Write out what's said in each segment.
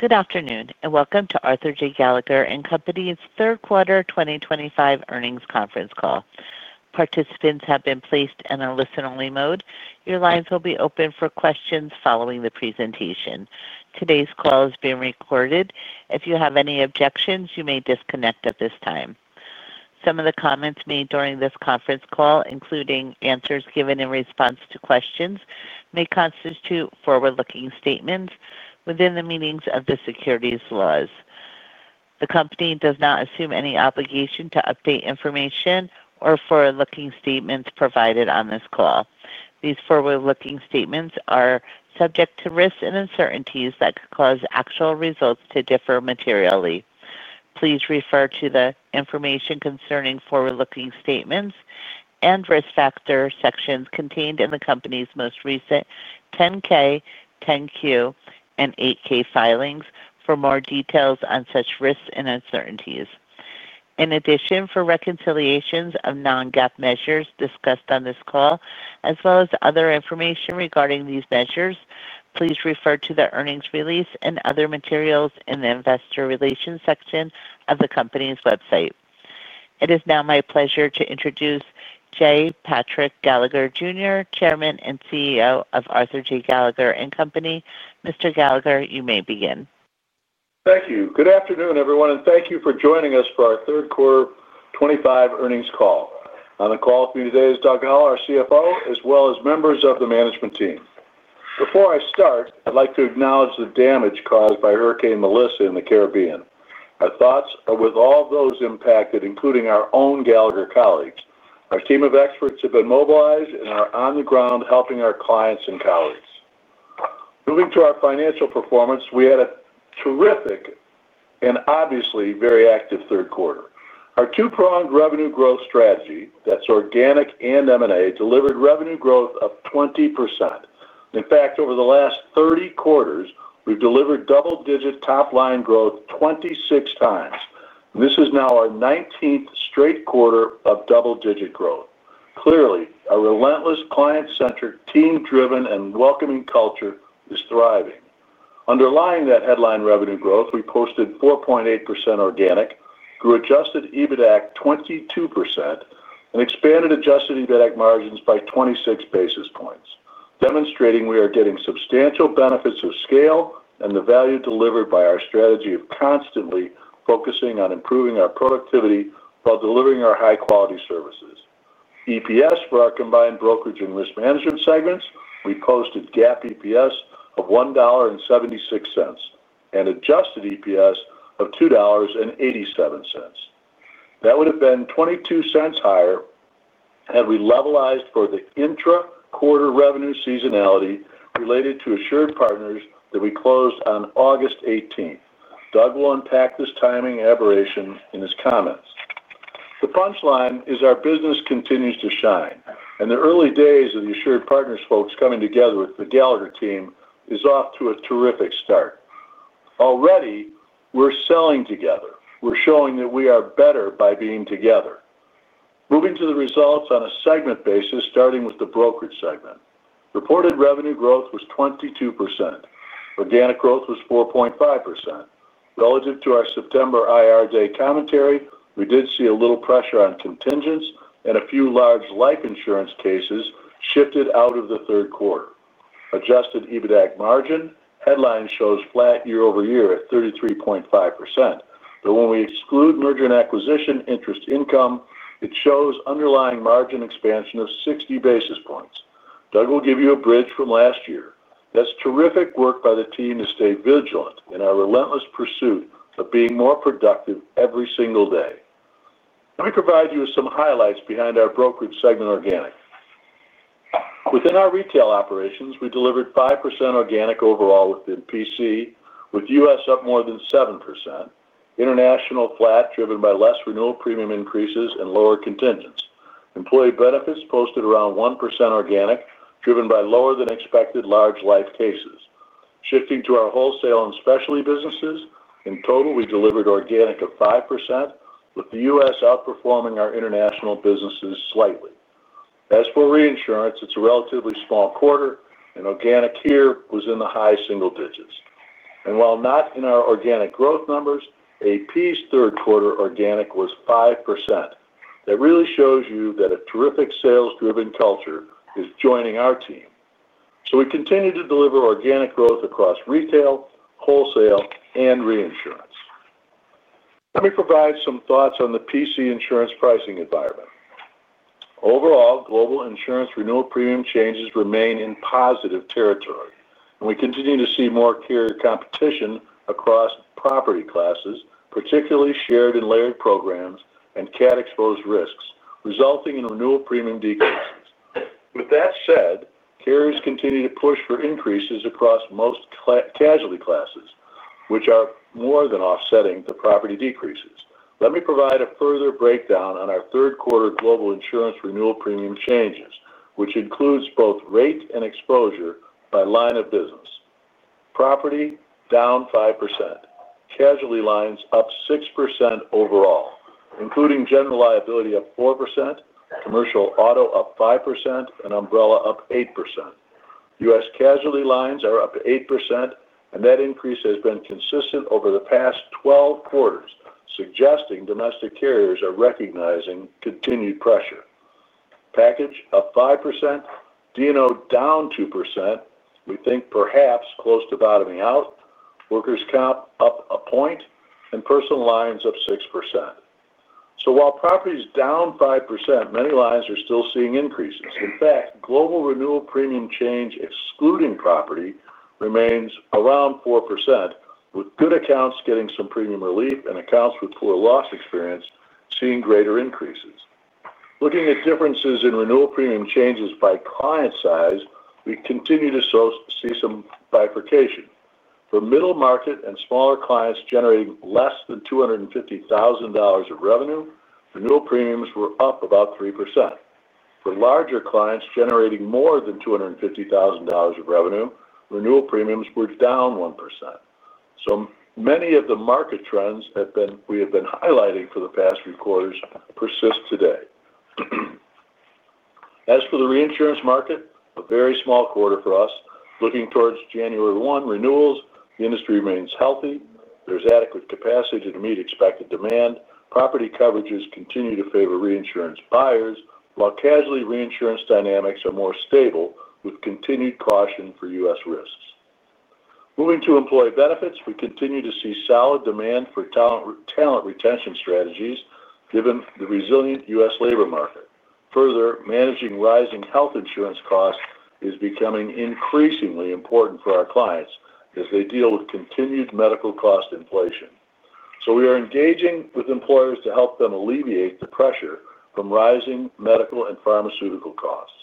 Good afternoon, and Welcome to Arthur J. Gallagher & Co.'s third quarter 2025 earnings conference call. Participants have been placed in a listen-only mode. Your lines will be open for questions following the presentation. Today's call is being recorded. If you have any objections, you may disconnect at this time. Some of the comments made during this conference call, including answers given in response to questions, may constitute forward-looking statements within the meanings of the securities laws. The company does not assume any obligation to update information or forward-looking statements provided on this call. These forward-looking statements are subject to risks and uncertainties that could cause actual results to differ materially. Please refer to the information concerning forward-looking statements and risk factor sections contained in the company's most recent 10-K, 10-Q, and 8-K filings for more details on such risks and uncertainties. In addition, for reconciliations of non-GAAP measures discussed on this call, as well as other information regarding these measures, please refer to the earnings release and other materials in the investor relations section of the company's website. It is now my pleasure to introduce J. Patrick Gallagher, Jr., Chairman and CEO of Arthur J. Gallagher & Co. Mr. Gallagher, you may begin. Thank you. Good afternoon, everyone, and thank you for joining us for our third quarter 2025 earnings call. On the call with me today is Doug Howell, our CFO, as well as members of the management team. Before I start, I'd like to acknowledge the damage caused by Hurricane Melissa in the Caribbean. Our thoughts are with all those impacted, including our own Gallagher colleagues. Our team of experts have been mobilized and are on the ground helping our clients and colleagues. Moving to our financial performance, we had a terrific and obviously very active third quarter. Our two-pronged revenue growth strategy, that's organic and M&A, delivered revenue growth of 20%. In fact, over the last 30 quarters, we've delivered double-digit top-line growth 26x. This is now our 19th straight quarter of double-digit growth. Clearly, our relentless client-centric, team-driven, and welcoming culture is thriving. Underlying that headline revenue growth, we posted 4.8% organic, grew adjusted EBITDA at 22%, and expanded adjusted EBITDA margins by 26 basis points, demonstrating we are getting substantial benefits of scale and the value delivered by our strategy of constantly focusing on improving our productivity while delivering our high-quality services. EPS for our combined brokerage and risk management segments, we posted GAAP EPS of $1.76 and adjusted EPS of $2.87. That would have been $0.22 higher had we levelized for the intra-quarter revenue seasonality related to AssuredPartners that we closed on August 18th. Doug will unpack this timing aberration in his comments. The punchline is our business continues to shine, and the early days of the AssuredPartners folks coming together with the Gallagher team is off to a terrific start. Already, we're selling together. We're showing that we are better by being together. Moving to the results on a segment basis, starting with the brokerage segment, reported revenue growth was 22%. Organic growth was 4.5%. Relative to our September IR Day commentary, we did see a little pressure on contingents and a few large life insurance cases shifted out of the third quarter. Adjusted EBITDA margin headline shows flat year-over-year at 33.5%. When we exclude merger and acquisition interest income, it shows underlying margin expansion of 60 basis points. Doug will give you a bridge from last year. That's terrific work by the team to stay vigilant in our relentless pursuit of being more productive every single day. Let me provide you with some highlights behind our brokerage segment organic. Within our retail operations, we delivered 5% organic overall within property and casualty, with U.S. up more than 7%. International flat, driven by less renewal premium increases and lower contingents. Employee benefits posted around 1% organic, driven by lower-than-expected large life cases. Shifting to our wholesale and specialty businesses, in total, we delivered organic of 5%, with the U.S. outperforming our international businesses slightly. As for reinsurance, it's a relatively small quarter, and organic here was in the high single digits. While not in our organic growth numbers, AssuredPartners' third quarter organic was 5%. That really shows you that a terrific sales-driven culture is joining our team. We continue to deliver organic growth across retail, wholesale, and reinsurance. Let me provide some thoughts on the property and casualty insurance pricing environment. Overall, global insurance renewal premium changes remain in positive territory, and we continue to see more carrier competition across property classes, particularly shared and layered programs and cat-exposed risks, resulting in renewal premium decreases. With that said, carriers continue to push for increases across most casualty classes, which are more than offsetting the property decreases. Let me provide a further breakdown on our third quarter global insurance renewal premium changes, which includes both rate and exposure by line of business. Property down 5%. Casualty lines up 6% overall, including general liability up 4%, commercial auto up 5%, and umbrella up 8%. U.S. casualty lines are up 8%, and that increase has been consistent over the past 12 quarters, suggesting domestic carriers are recognizing continued pressure. Package up 5%, D&O down 2%. We think perhaps close to bottoming out. Workers' Comp up a point, and personal lines up 6%. While property's down 5%, many lines are still seeing increases. In fact, global renewal premium change excluding property remains around 4%, with good accounts getting some premium relief and accounts with poor loss experience seeing greater increases. Looking at differences in renewal premium changes by client size, we continue to see some bifurcation. For middle market and smaller clients generating less than $250,000 of revenue, renewal premiums were up about 3%. For larger clients generating more than $250,000 of revenue, renewal premiums were down 1%. Many of the market trends we have been highlighting for the past three quarters persist today. As for the reinsurance market, a very small quarter for us. Looking towards January 1 renewals, the industry remains healthy. There's adequate capacity to meet expected demand. Property coverages continue to favor reinsurance buyers, while casualty reinsurance dynamics are more stable with continued caution for U.S. risks. Moving to employee benefits, we continue to see solid demand for talent retention strategies given the resilient U.S. labor market. Further, managing rising health insurance costs is becoming increasingly important for our clients as they deal with continued medical cost inflation. We are engaging with employers to help them alleviate the pressure from rising medical and pharmaceutical costs.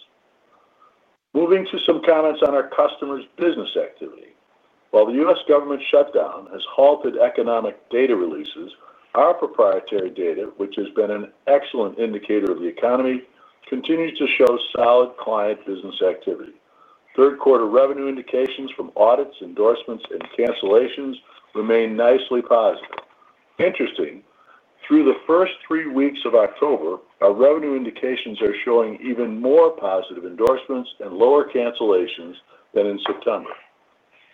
Moving to some comments on our customers' business activity. While the U.S. government shutdown has halted economic data releases, our proprietary data, which has been an excellent indicator of the economy, continues to show solid client business activity. Third quarter revenue indications from audits, endorsements, and cancellations remain nicely positive. Interestingly, through the first three weeks of October, our revenue indications are showing even more positive endorsements and lower cancellations than in September.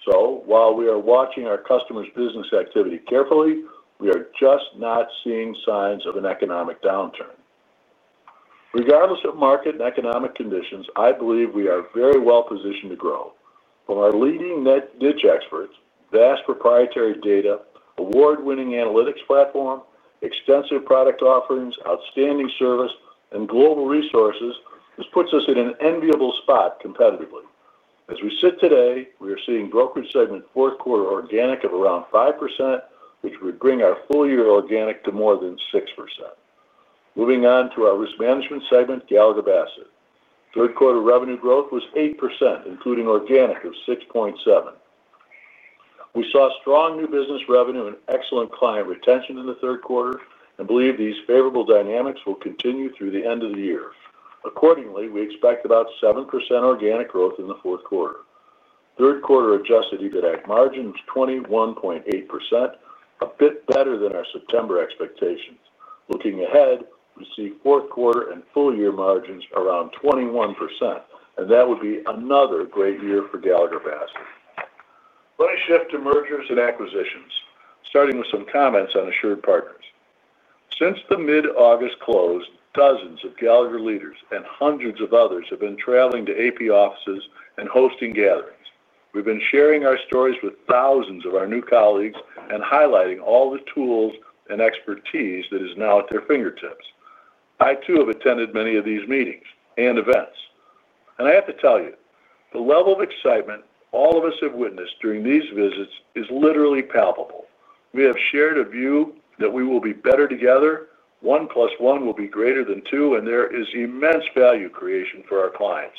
While we are watching our customers' business activity carefully, we are just not seeing signs of an economic downturn. Regardless of market and economic conditions, I believe we are very well positioned to grow. From our leading niche experts, vast proprietary data, award-winning analytics platform, extensive product offerings, outstanding service, and global resources, this puts us in an enviable spot competitively. As we sit today, we are seeing brokerage segment fourth quarter organic of around 5%, which would bring our full-year organic to more than 6%. Moving on to our risk management segment, Gallagher Bassett. Third quarter revenue growth was 8%, including organic of 6.7%. We saw strong new business revenue and excellent client retention in the third quarter and believe these favorable dynamics will continue through the end of the year. Accordingly, we expect about 7% organic growth in the fourth quarter. Third quarter adjusted EBITDA margin is 21.8%, a bit better than our September expectations. Looking ahead, we see fourth quarter and full-year margins around 21%, and that would be another great year for Gallagher Bassett. Let me shift to mergers and acquisitions, starting with some comments on AssuredPartners. Since the mid-August close, dozens of Gallagher leaders and hundreds of others have been traveling to AP offices and hosting gatherings. We've been sharing our stories with thousands of our new colleagues and highlighting all the tools and expertise that is now at their fingertips. I, too, have attended many of these meetings and events. I have to tell you, the level of excitement all of us have witnessed during these visits is literally palpable. We have shared a view that we will be better together. One plus one will be greater than two, and there is immense value creation for our clients,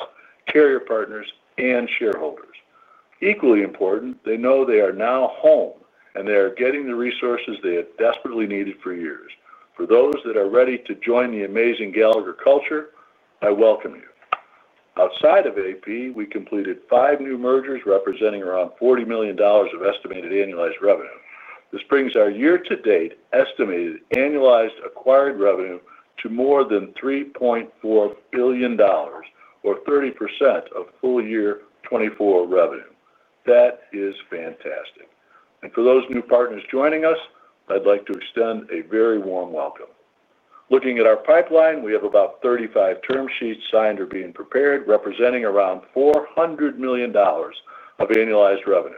carrier partners, and shareholders. Equally important, they know they are now home, and they are getting the resources they have desperately needed for years. For those that are ready to join the amazing Gallagher culture, I welcome you. Outside of AP, we completed five new mergers representing around $40 million of estimated annualized revenue. This brings our year-to-date estimated annualized acquired revenue to more than $3.4 billion, or 30% of full-year 2024 revenue. That is fantastic. For those new partners joining us, I'd like to extend a very warm welcome. Looking at our pipeline, we have about 35 term sheets signed or being prepared, representing around $400 million of annualized revenue.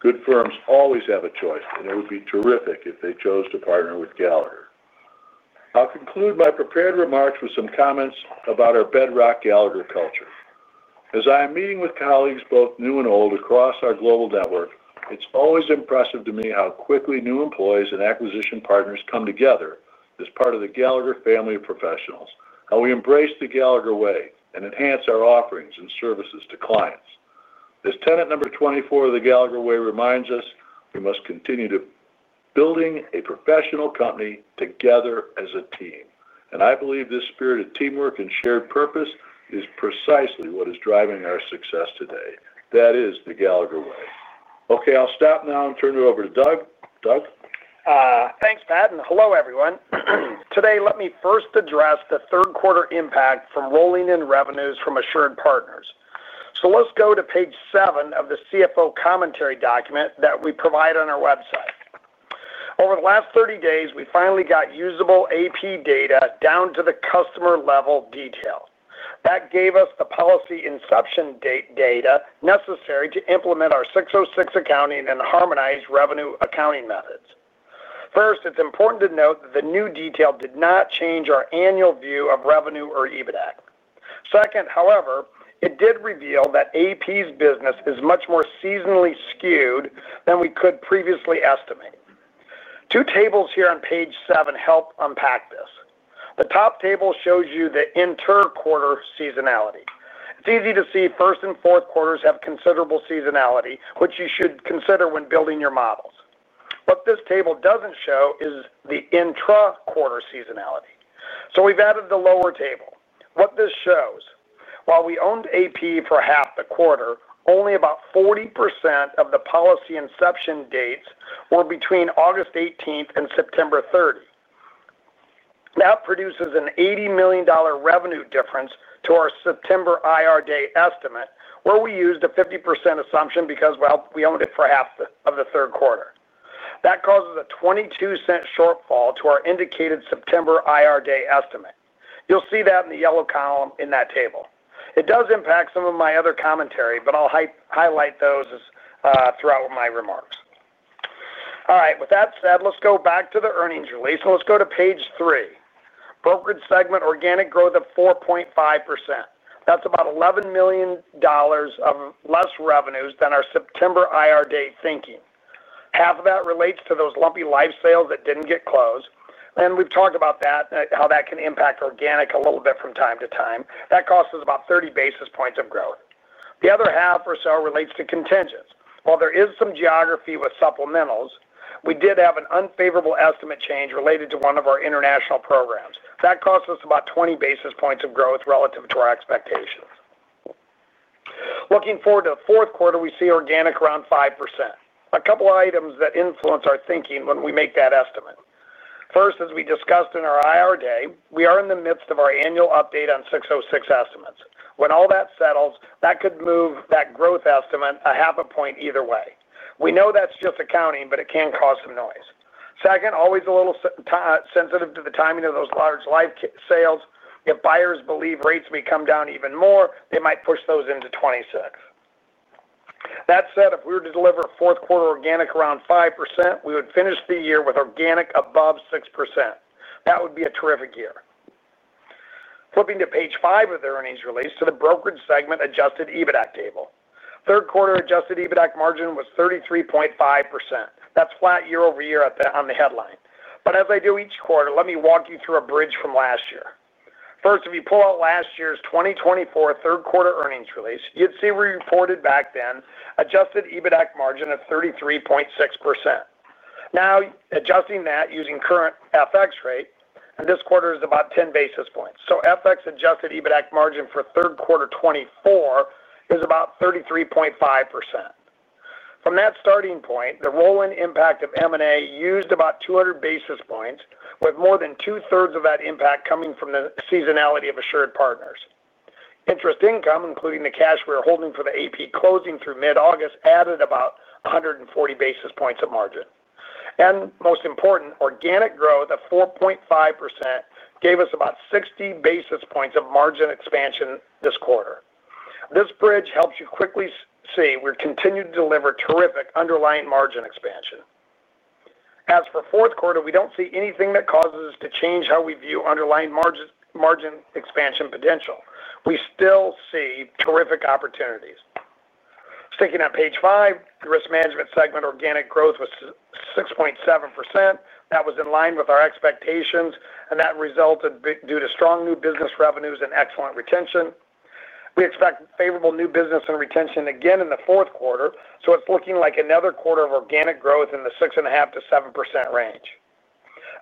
Good firms always have a choice, and it would be terrific if they chose to partner with Gallagher. I'll conclude my prepared remarks with some comments about our bedrock Gallagher culture. As I am meeting with colleagues, both new and old, across our global network, it's always impressive to me how quickly new employees and acquisition partners come together as part of the Gallagher family of professionals, how we embrace the Gallagher Way and enhance our offerings and services to clients. As tenet number 24 of the Gallagher Way reminds us, we must continue to build a professional company together as a team. I believe this spirit of teamwork and shared purpose is precisely what is driving our success today. That is the Gallagher Way. Okay, I'll stop now and turn it over to Doug. Doug? Thanks, Pat. Hello, everyone. Today, let me first address the third quarter impact from rolling in revenues from AssuredPartners. Let's go to page seven of the CFO commentary document that we provide on our website. Over the last 30 days, we finally got usable AP data down to the customer-level detail. That gave us the policy inception date data necessary to implement our 606 accounting and harmonize revenue accounting methods. First, it's important to note that the new detail did not change our annual view of revenue or EBITDA. Second, however, it did reveal that AP's business is much more seasonally skewed than we could previously estimate. Two tables here on page seven help unpack this. The top table shows you the interquarter seasonality. It's easy to see first and fourth quarters have considerable seasonality, which you should consider when building your models. What this table doesn't show is the intraquarter seasonality. We've added the lower table. What this shows, while we owned AP for half the quarter, only about 40% of the policy inception dates were between August 18th and September 3rd. That produces an $80 million revenue difference to our September IR Day estimate, where we used a 50% assumption because we owned it for half of the third quarter. That causes a 22% shortfall to our indicated September IR Day estimate. You'll see that in the yellow column in that table. It does impact some of my other commentary, but I'll highlight those throughout my remarks. All right. With that said, let's go back to the earnings release, and let's go to page three. Brokerage segment organic growth of 4.5%. That's about $11 million of less revenues than our September IR Day thinking. Half of that relates to those lumpy live sales that didn't get closed. We've talked about that and how that can impact organic a little bit from time to time. That costs us about 30 basis points of growth. The other half or so relates to contingents. While there is some geography with supplementals, we did have an unfavorable estimate change related to one of our international programs. That costs us about 20 basis points of growth relative to our expectations. Looking forward to the fourth quarter, we see organic around 5%. A couple of items that influence our thinking when we make that estimate. First, as we discussed in our IR Day, we are in the midst of our annual update on 606 estimates. When all that settles, that could move that growth estimate a half a point either way. We know that's just accounting, but it can cause some noise. Second, always a little sensitive to the timing of those large live sales. If buyers believe rates may come down even more, they might push those into 2026. That said, if we were to deliver fourth quarter organic around 5%, we would finish the year with organic above 6%. That would be a terrific year. Flipping to page five of the earnings release to the brokerage segment adjusted EBITDA table. Third quarter adjusted EBITDA margin was 33.5%. That's flat year-over-year on the headline. As I do each quarter, let me walk you through a bridge from last year. First, if you pull out last year's 2023 third quarter earnings release, you'd see we reported back then adjusted EBITDA margin of 33.6%. Now, adjusting that using current FX rate, this quarter is about 10 basis points. FX adjusted EBITDA margin for third quarter 2023 is about 33.5%. From that starting point, the rolling impact of M&A used about 200 basis points, with more than two-thirds of that impact coming from the seasonality of AssuredPartners. Interest income, including the cash we are holding for the AP closing through mid-August, added about 140 basis points of margin. Most important, organic growth of 4.5% gave us about 60 basis points of margin expansion this quarter. This bridge helps you quickly see we're continuing to deliver terrific underlying margin expansion. As for fourth quarter, we don't see anything that causes us to change how we view underlying margin expansion potential. We still see terrific opportunities. Sticking at page five, the risk management segment organic growth was 6.7%. That was in line with our expectations, and that resulted due to strong new business revenues and excellent retention. We expect favorable new business and retention again in the fourth quarter, so it's looking like another quarter of organic growth in the 6.5%-7% range.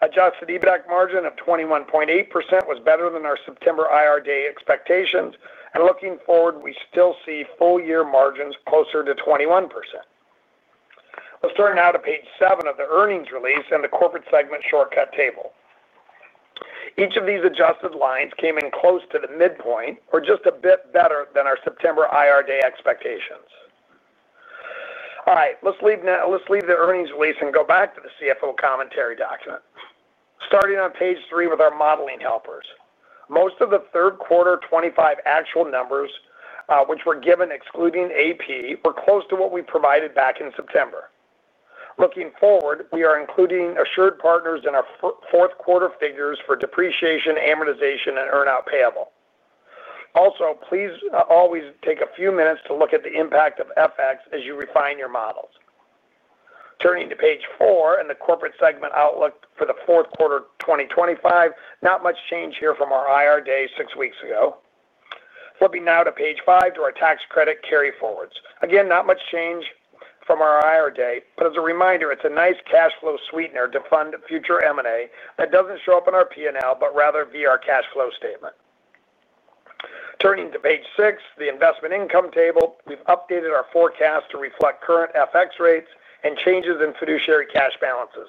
Adjusted EBITDA margin of 21.8% was better than our September IR day expectations. Looking forward, we still see full-year margins closer to 21%. Let's turn now to page seven of the earnings release and the corporate segment shortcut table. Each of these adjusted lines came in close to the midpoint or just a bit better than our September IR day expectations. All right. Let's leave the earnings release and go back to the CFO commentary document. Starting on page three with our modeling helpers. Most of the third quarter 2023 actual numbers, which were given excluding AP, were close to what we provided back in September. Looking forward, we are including AssuredPartners in our fourth quarter figures for depreciation, amortization, and earn-out payable. Also, please always take a few minutes to look at the impact of FX as you refine your models. Turning to page four and the corporate segment outlook for the fourth quarter 2025, not much change here from our IR day six weeks ago. Flipping now to page five to our tax credit carryforwards. Again, not much change from our IR day, but as a reminder, it's a nice cash flow sweetener to fund future M&A that doesn't show up in our P&L but rather via our cash flow statement. Turning to page six, the investment income table, we've updated our forecast to reflect current FX rates and changes in fiduciary cash balances.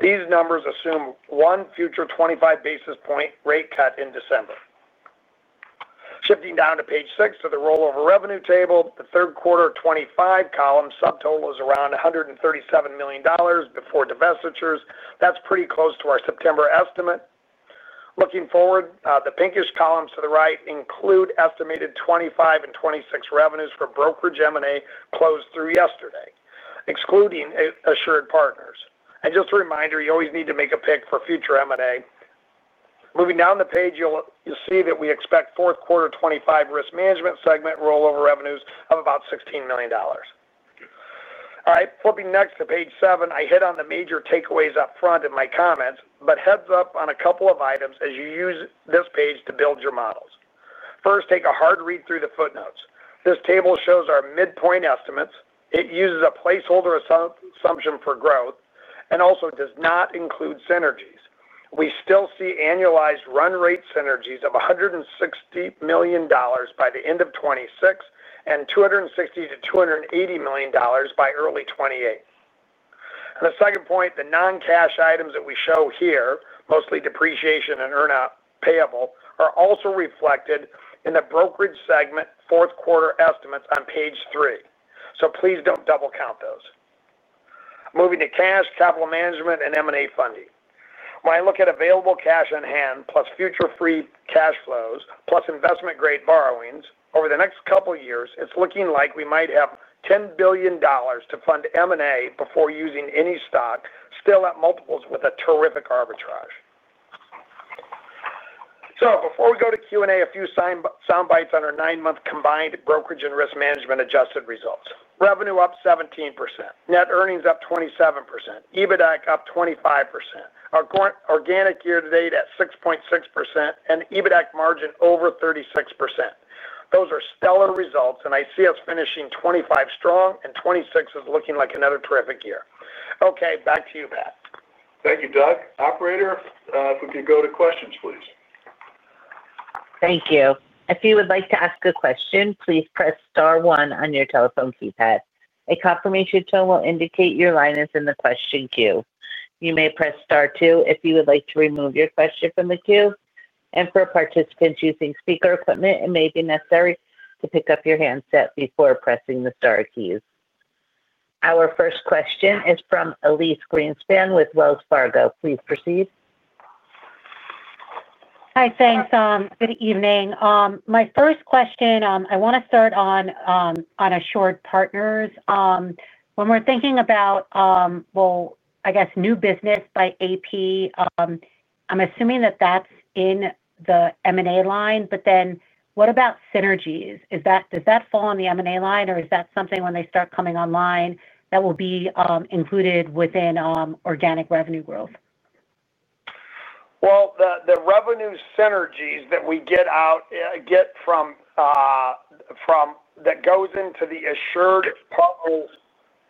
These numbers assume one future 25 basis point rate cut in December. Shifting down to page six to the rollover revenue table, the third quarter 2025 column subtotal is around $137 million before divestitures. That's pretty close to our September estimate. Looking forward, the pinkish columns to the right include estimated 2025 and 2026 revenues for brokerage M&A closed through yesterday, excluding AssuredPartners. Just a reminder, you always need to make a pick for future M&A. Moving down the page, you'll see that we expect fourth quarter 2025 risk management segment rollover revenues of about $16 million. All right. Flipping next to page seven, I hit on the major takeaways up front in my comments, but heads up on a couple of items as you use this page to build your models. First, take a hard read through the footnotes. This table shows our midpoint estimates. It uses a placeholder assumption for growth and also does not include synergies. We still see annualized run-rate synergies of $160 million by the end of 2026 and $260 million-$280 million by early 2028. The second point, the non-cash items that we show here, mostly depreciation and earn-out payable, are also reflected in the brokerage segment fourth quarter estimates on page three. Please don't double count those. Moving to cash, capital management, and M&A funding. When I look at available cash on hand plus future free cash flows plus investment-grade borrowings, over the next couple of years, it's looking like we might have $10 billion to fund M&A before using any stock, still at multiples with a terrific arbitrage. Before we go to Q&A, a few soundbites on our nine-month combined brokerage and risk management adjusted results. Revenue up 17%. Net earnings up 27%. EBITDA up 25%. Our organic year-to-date at 6.6% and EBITDA margin over 36%. Those are stellar results, and I see us finishing 2025 strong, and 2026 is looking like another terrific year. Okay, back to you, Pat. Thank you, Doug. Operator, if we could go to questions, please. Thank you. If you would like to ask a question, please press star one on your telephone keypad. A confirmation tone will indicate your line is in the question queue. You may press star two if you would like to remove your question from the queue. For participants using speaker equipment, it may be necessary to pick up your handset before pressing the star keys. Our first question is from Elyse Greenspan with Wells Fargo. Please proceed. Hi, thanks. Good evening. My first question, I want to start on AssuredPartners. When we're thinking about new business by AP, I'm assuming that that's in the M&A line, but then what about synergies? Does that fall on the M&A line, or is that something when they start coming online that will be included within organic revenue growth? The revenue synergies that we get out from that goes into the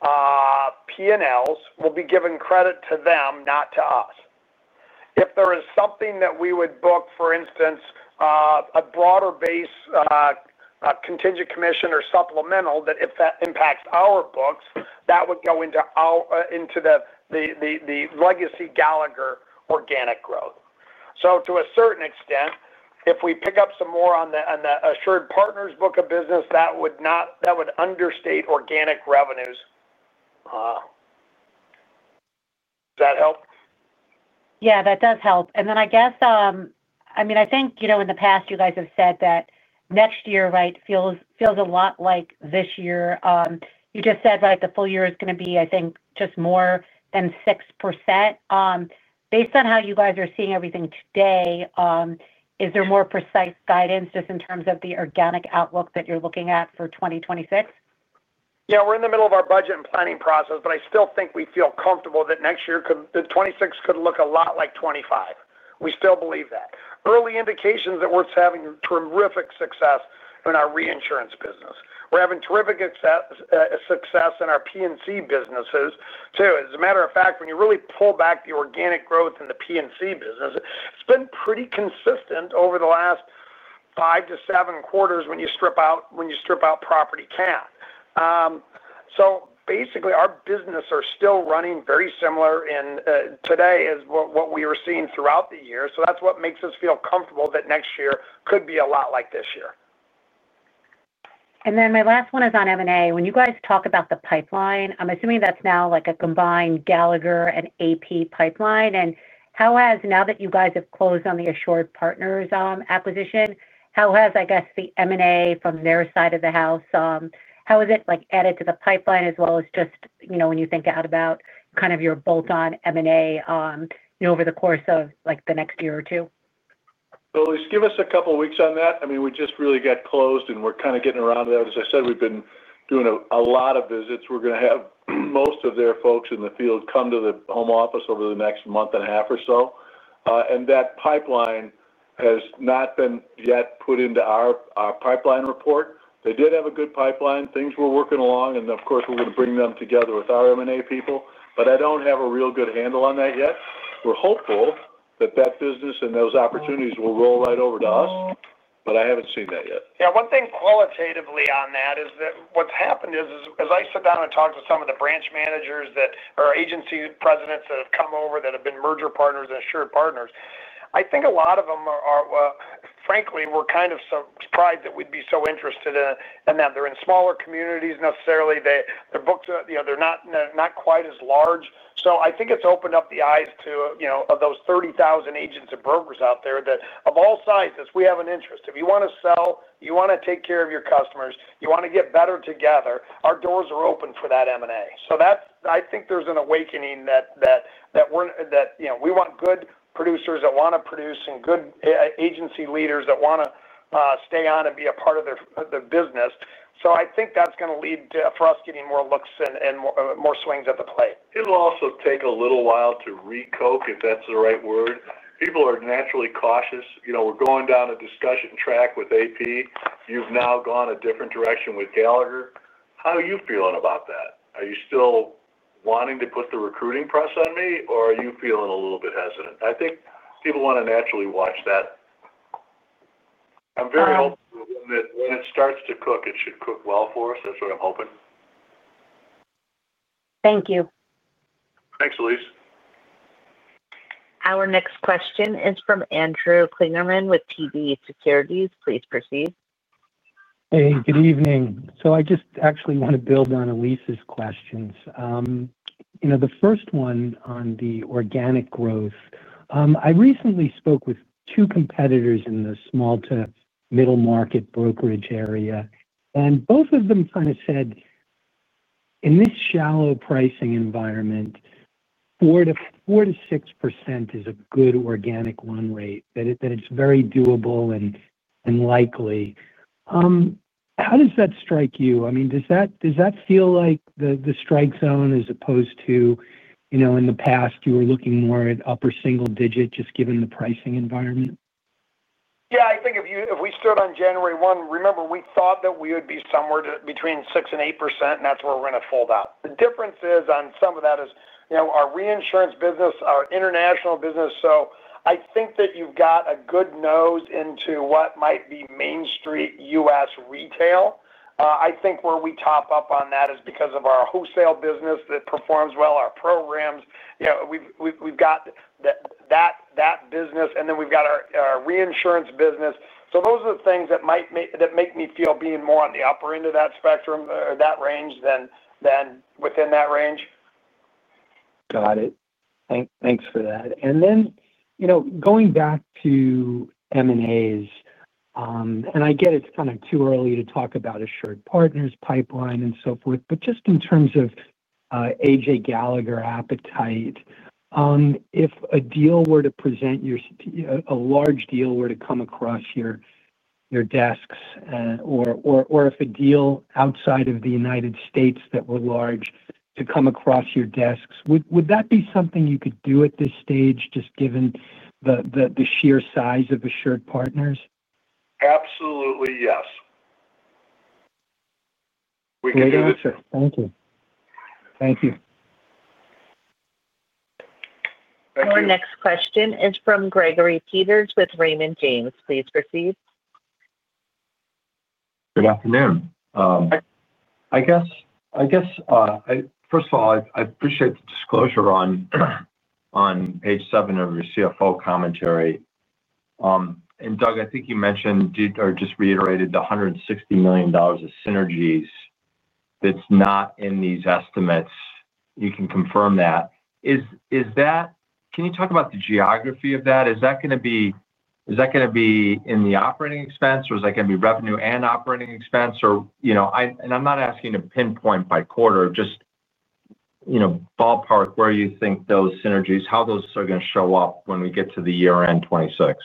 AssuredPartners P&Ls will be given credit to them, not to us. If there is something that we would book, for instance, a broader base contingent commission or supplemental, that if that impacts our books, that would go into the legacy Gallagher organic growth. To a certain extent, if we pick up some more on the AssuredPartners book of business, that would understate organic revenues. Does that help? Yeah, that does help. I think in the past, you guys have said that next year feels a lot like this year. You just said the full year is going to be, I think, just more than 6%. Based on how you guys are seeing everything today, is there more precise guidance just in terms of the organic outlook that you're looking at for 2026? Yeah, we're in the middle of our budget and planning process, but I still think we feel comfortable that next year, 2026 could look a lot like 2025. We still believe that early indications that we're having terrific success in our reinsurance business. We're having terrific success in our P&C businesses, too. As a matter of fact, when you really pull back the organic growth in the P&C business, it's been pretty consistent over the last five to seven quarters when you strip out property. Basically, our business is still running very similar today as what we were seeing throughout the year. That's what makes us feel comfortable that next year could be a lot like this year. My last one is on M&A. When you guys talk about the pipeline, I'm assuming that's now like a combined Gallagher and AP pipeline. How has, now that you guys have closed on the AssuredPartners acquisition, the M&A from their side of the house added to the pipeline, as well as just when you think about your bolt-on M&A over the course of the next year or two? Just give us a couple of weeks on that. We just really got closed, and we're kind of getting around that. As I said, we've been doing a lot of visits. We're going to have most of their folks in the field come to the home office over the next month and a half or so. That pipeline has not been yet put into our pipeline report. They did have a good pipeline. Things were working along. Of course, we're going to bring them together with our M&A people. I don't have a real good handle on that yet. We're hopeful that that business and those opportunities will roll right over to us, but I haven't seen that yet. One thing qualitatively on that is that what's happened is, as I sit down and talk to some of the branch managers or agency presidents that have come over that have been merger partners and AssuredPartners, I think a lot of them are, frankly, kind of surprised that we'd be so interested in them. They're in smaller communities necessarily. Their books, they're not quite as large. I think it's opened up the eyes to those 30,000 agents or brokers out there that, of all sizes, we have an interest. If you want to sell, you want to take care of your customers, you want to get better together, our doors are open for that M&A. I think there's an awakening. We want good producers that want to produce and good agency leaders that want to stay on and be a part of their business. I think that's going to lead to us getting more looks and more swings at the plate. It'll also take a little while to re-coke, if that's the right word. People are naturally cautious. We're going down a discussion track with AP. You've now gone a different direction with Gallagher. How are you feeling about that? Are you still wanting to put the recruiting press on me, or are you feeling a little bit hesitant? I think people want to naturally watch that. I'm very hopeful that when it starts to cook, it should cook well for us. That's what I'm hoping. Thank you. Thanks, Elyse. Our next question is from Andrew Kligerman with TD Securities. Please proceed. Hey, good evening. I just actually want to build on Elyse's questions. The first one on the organic growth. I recently spoke with two competitors in the small to middle market brokerage area, and both of them kind of said in this shallow pricing environment, 4%-6% is a good organic run rate, that it's very doable and likely. How does that strike you? I mean, does that feel like the strike zone as opposed to in the past, you were looking more at upper single digit just given the pricing environment? Yeah. I think if we start on January 1, remember, we thought that we would be somewhere between 6% and 8%, and that's where we're going to fold out. The difference on some of that is our reinsurance business, our international business. I think that you've got a good nose into what might be Main Street U.S. retail. I think where we top up on that is because of our wholesale business that performs well, our programs. We've got that business, and then we've got our reinsurance business. Those are the things that make me feel being more on the upper end of that spectrum or that range than within that range. Got it. Thanks for that. Going back to M&A. I get it's kind of too early to talk about AssuredPartners pipeline and so forth, but just in terms of AJ Gallagher appetite, if a deal were to present, a large deal were to come across your desks, or if a deal outside of the U.S. that were large to come across your desks, would that be something you could do at this stage, just given the sheer size of AssuredPartners? Absolutely, yes. We can do that. Thank you. Thank you. Our next question is from Gregory Peters with Raymond James. Please proceed. Good afternoon. I guess first of all, I appreciate the disclosure on page seven of your CFO commentary. Doug, I think you mentioned or just reiterated the $160 million of synergies. That's not in these estimates. You can confirm that. Can you talk about the geography of that? Is that going to be in the operating expense, or is that going to be revenue and operating expense? I'm not asking to pinpoint by quarter, just. Ballpark where you think those synergies, how those are going to show up when we get to the year-end 2026.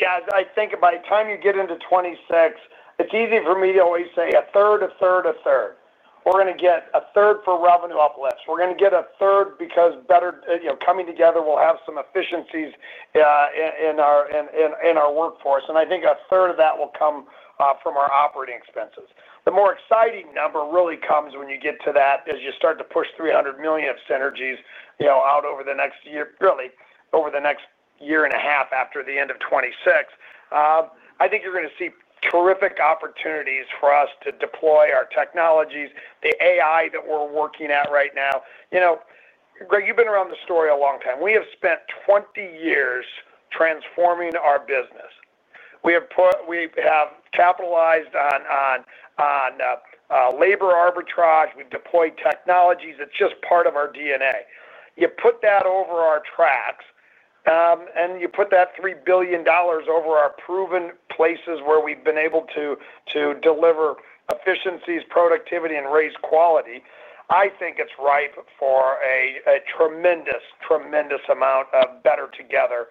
Yeah. I think by the time you get into 2026, it's easy for me to always say a third, a third, a third. We're going to get a third for revenue uplifts. We're going to get a third because coming together, we'll have some efficiencies in our workforce. I think a third of that will come from our operating expenses. The more exciting number really comes when you get to that as you start to push $300 million of synergies out over the next year, really over the next year and a half after the end of 2026. I think you're going to see terrific opportunities for us to deploy our technologies, the AI that we're working at right now. Greg, you've been around the story a long time. We have spent 20 years transforming our business. We have capitalized on labor arbitrage. We've deployed technologies. It's just part of our DNA. You put that over our tracks, and you put that $3 billion over our proven places where we've been able to deliver efficiencies, productivity, and raise quality. I think it's ripe for a tremendous, tremendous amount of better together,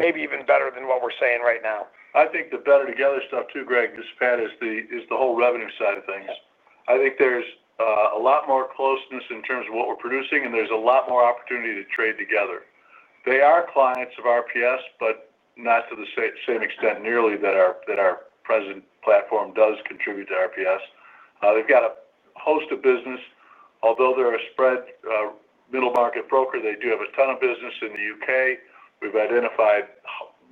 maybe even better than what we're saying right now. I think the better together stuff too, Greg, dispatch is the whole revenue side of things. I think there's a lot more closeness in terms of what we're producing, and there's a lot more opportunity to trade together. They are clients of RPS, but not to the same extent nearly that our present platform does contribute to RPS. They've got a host of business. Although they're a spread middle market broker, they do have a ton of business in the U.K.. We've identified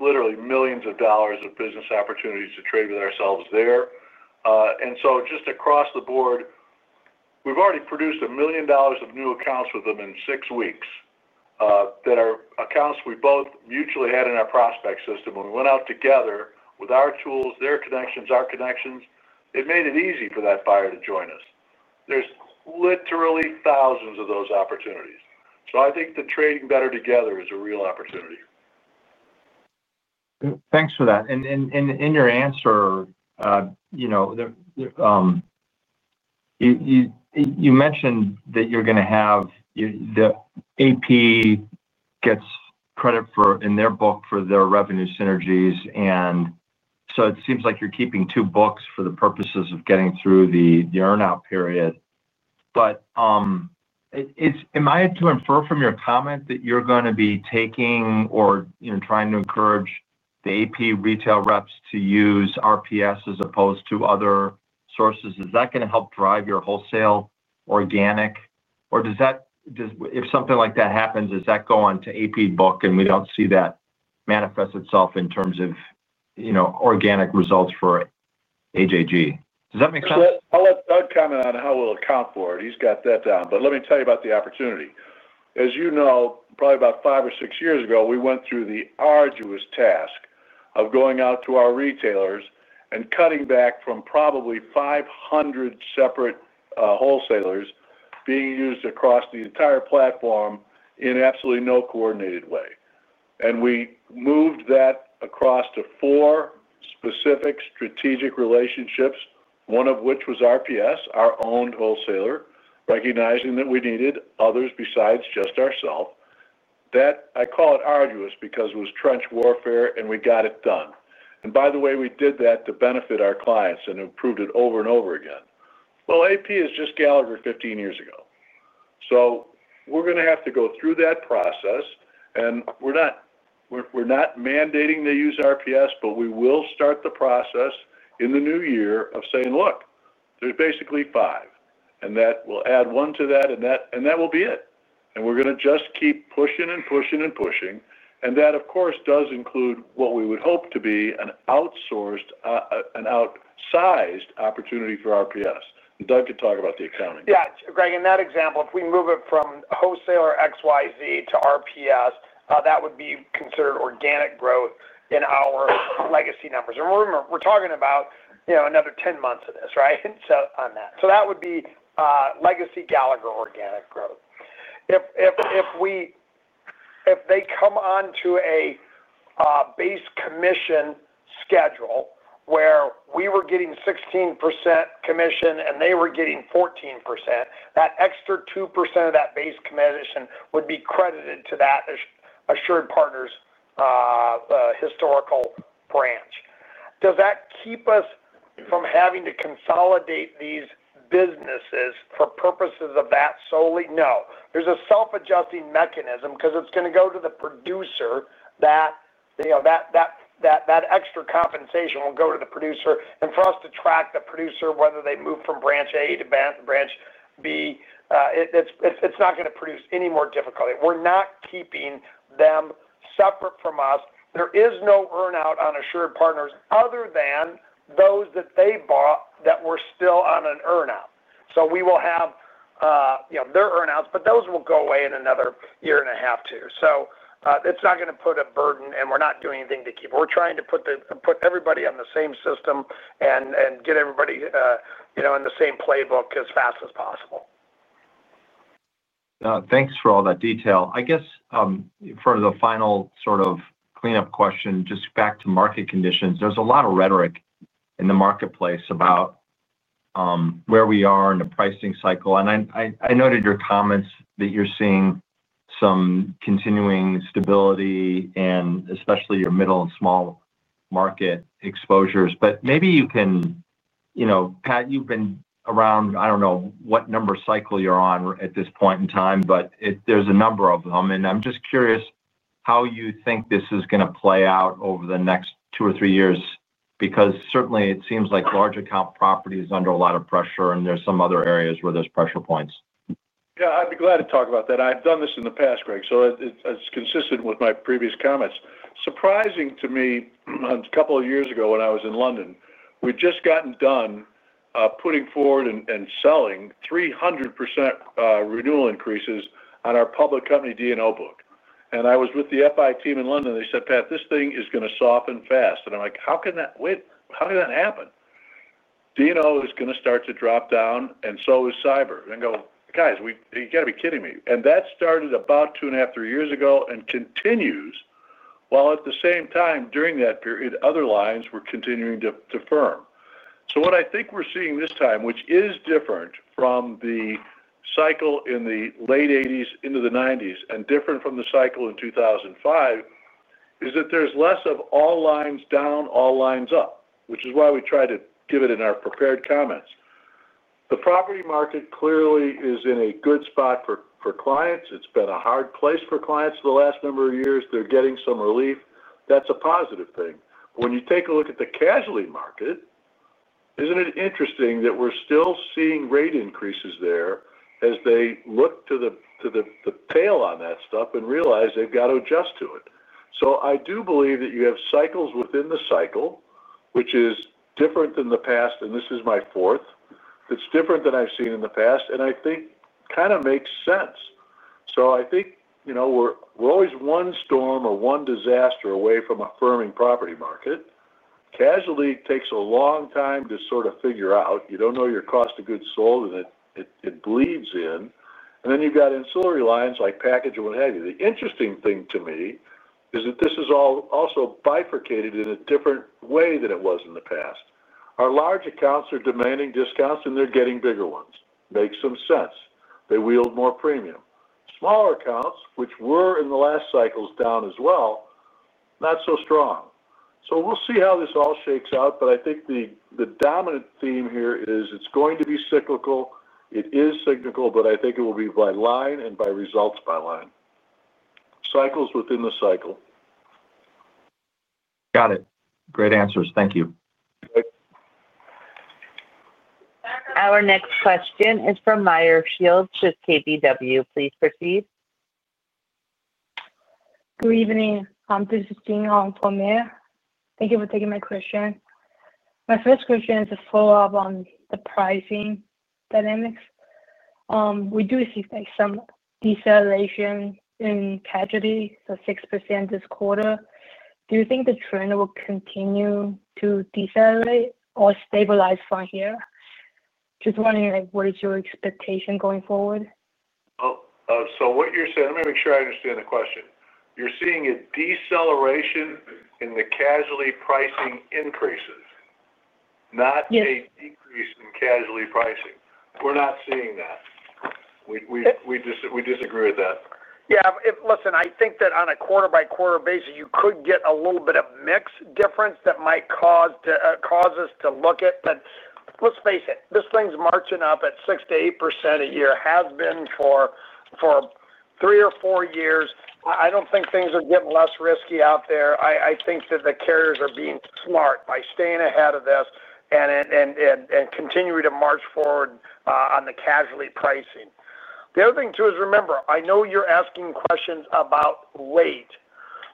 literally millions of dollars of business opportunities to trade with ourselves there. Just across the board, we've already produced $1 million of new accounts with them in six weeks that are accounts we both mutually had in our prospect system. When we went out together with our tools, their connections, our connections, it made it easy for that buyer to join us. There's literally thousands of those opportunities. I think the trading better together is a real opportunity. Thanks for that. In your answer, you mentioned that you're going to have the AP gets credit in their book for their revenue synergies. It seems like you're keeping two books for the purposes of getting through the earnout period. Am I to infer from your comment that you're going to be taking or trying to encourage the AP retail reps to use RPS as opposed to other sources? Is that going to help drive your wholesale organic? If something like that happens, does that go on to AP book, and we don't see that manifest itself in terms of organic results for AJG? Does that make sense? I'll let Doug comment on how we'll account for it. He's got that down. Let me tell you about the opportunity. As you know, probably about five or six years ago, we went through the arduous task of going out to our retailers and cutting back from probably 500 separate wholesalers being used across the entire platform in absolutely no coordinated way. We moved that across to four specific strategic relationships, one of which was RPS, our owned wholesaler, recognizing that we needed others besides just ourself. I call it arduous because it was trench warfare, and we got it done. By the way, we did that to benefit our clients and improved it over and over again. AP is just Gallagher 15 years ago. We are going to have to go through that process. We are not mandating they use RPS, but we will start the process in the new year of saying, "Look, there's basically five." We will add one to that, and that will be it. We are going to just keep pushing and pushing and pushing. That, of course, does include what we would hope to be an outsized opportunity for RPS. Doug can talk about the accounting. Yeah. Greg, in that example, if we move it from wholesaler XYZ to RPS, that would be considered organic growth in our legacy numbers. We are talking about another 10 months of this, right? That would be legacy Gallagher organic growth. If they come on to a base commission schedule where we were getting 16% commission and they were getting 14%, that extra 2% of that base commission would be credited to that AssuredPartners historical branch. Does that keep us from having to consolidate these businesses for purposes of that solely? No. There's a self-adjusting mechanism because it's going to go to the producer. That extra compensation will go to the producer. For us to track the producer, whether they move from branch A to branch B, it's not going to produce any more difficulty. We are not keeping them separate from us. There is no earnout on AssuredPartners other than those that they bought that were still on an earnout. We will have. Their earnouts, but those will go away in another year and a half too. It's not going to put a burden, and we're not doing anything to keep. We're trying to put everybody on the same system and get everybody in the same playbook as fast as possible. Thanks for all that detail. For the final sort of cleanup question, just back to market conditions, there's a lot of rhetoric in the marketplace about where we are in the pricing cycle. I noted your comments that you're seeing some continuing stability and especially your middle and small market exposures. Maybe you can. Pat, you've been around, I don't know what number cycle you're on at this point in time, but there's a number of them. I'm just curious how you think this is going to play out over the next two or three years because certainly it seems like large account properties are under a lot of pressure, and there's some other areas where there's pressure points. Yeah. I'd be glad to talk about that. I've done this in the past, Greg, so it's consistent with my previous comments. Surprising to me, a couple of years ago when I was in London, we'd just gotten done putting forward and selling 300% renewal increases on our public company D&O book. I was with the FI team in London, and they said, "Pat, this thing is going to soften fast." I'm like, "How can that wait? How can that happen?" D&O is going to start to drop down, and so is cyber. I go, "Guys, you got to be kidding me." That started about two and a half, three years ago and continues. At the same time, during that period, other lines were continuing to firm. What I think we're seeing this time, which is different from the cycle in the late 1980s into the 1990s and different from the cycle in 2005, is that there's less of all lines down, all lines up, which is why we try to give it in our prepared comments. The property market clearly is in a good spot for clients. It's been a hard place for clients the last number of years. They're getting some relief. That's a positive thing. When you take a look at the casualty market, isn't it interesting that we're still seeing rate increases there as they look to the pale on that stuff and realize they've got to adjust to it? I do believe that you have cycles within the cycle, which is different than the past, and this is my fourth. It's different than I've seen in the past, and I think kind of makes sense. I think. We're always one storm or one disaster away from a firming property market. Casualty takes a long time to sort of figure out. You don't know your cost of goods sold, and it bleeds in. Then you've got ancillary lines like package or what have you. The interesting thing to me is that this is also bifurcated in a different way than it was in the past. Our large accounts are demanding discounts, and they're getting bigger ones. Makes some sense. They wield more premium. Smaller accounts, which were in the last cycles down as well, not so strong. We'll see how this all shakes out, but I think the dominant theme here is it's going to be cyclical. It is cyclical, but I think it will be by line and by results by line. Cycles within the cycle. Great answers. Thank you. Our next question is from Meyer Shields with KBW. Please proceed. Good evening. This is [Jing Hong] for Meyers. Thank you for taking my question. My first question is a follow-up on the pricing dynamics. We do see some deceleration in casualty, so 6% this quarter. Do you think the trend will continue to decelerate or stabilize from here? Just wondering what is your expectation going forward? What you're saying, let me make sure I understand the question. You're seeing a deceleration in the casualty pricing increases, not a decrease in casualty pricing. We're not seeing that. We disagree with that. I think that on a quarter-by-quarter basis, you could get a little bit of mixed difference that might cause us to look at. Let's face it, this thing's marching up at 6%-8% a year, has been for three or four years. I don't think things are getting less risky out there. I think that the carriers are being smart by staying ahead of this and continuing to march forward on the casualty pricing. The other thing too is remember, I know you're asking questions about late.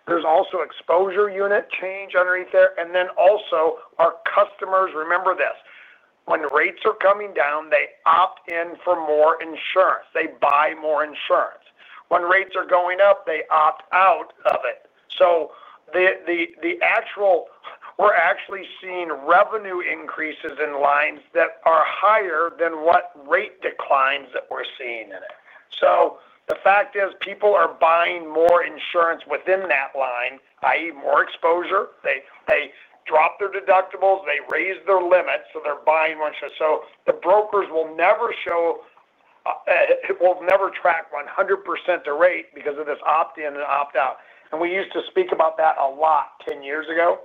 There's also exposure unit change underneath there. Also, our customers, remember this, when rates are coming down, they opt in for more insurance. They buy more insurance. When rates are going up, they opt out of it. We're actually seeing revenue increases in lines that are higher than what rate declines that we're seeing in it. The fact is people are buying more insurance within that line, i.e., more exposure. They drop their deductibles. They raise their limits, so they're buying more insurance. The brokers will never track 100% the rate because of this opt-in and opt-out. We used to speak about that a lot 10 years ago.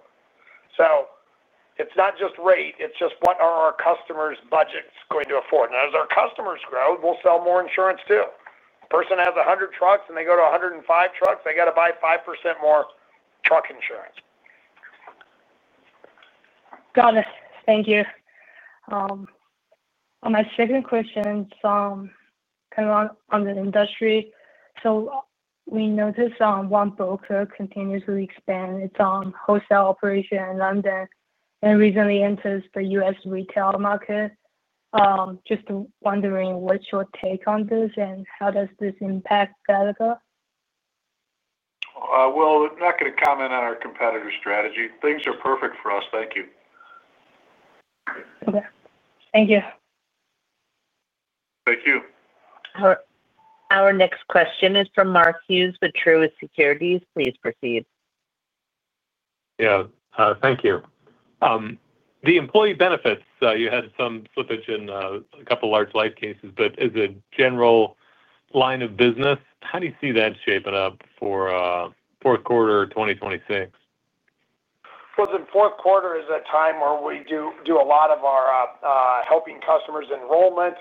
It's not just rate. It's just what are our customers' budgets going to afford? As our customers grow, we'll sell more insurance too. A person has 100 trucks, and they go to 105 trucks, they got to buy 5% more truck insurance. Got it. Thank you. My second question is kind of on the industry. We noticed one broker continuously expand its wholesale operation in London and recently entered the U.S. retail market. Just wondering what's your take on this and how does this impact Gallagher? I'm not going to comment on our competitor strategy. Things are perfect for us. Thank you. Thank you. Our next question is from Mark Hughes with Truist Securities. Please proceed. Yeah. Thank you. The employee benefits, you had some slippage in a couple of large life cases, but as a general line of business, how do you see that shaping up for fourth quarter of 2026? The fourth quarter is a time where we do a lot of our helping customers' enrollment.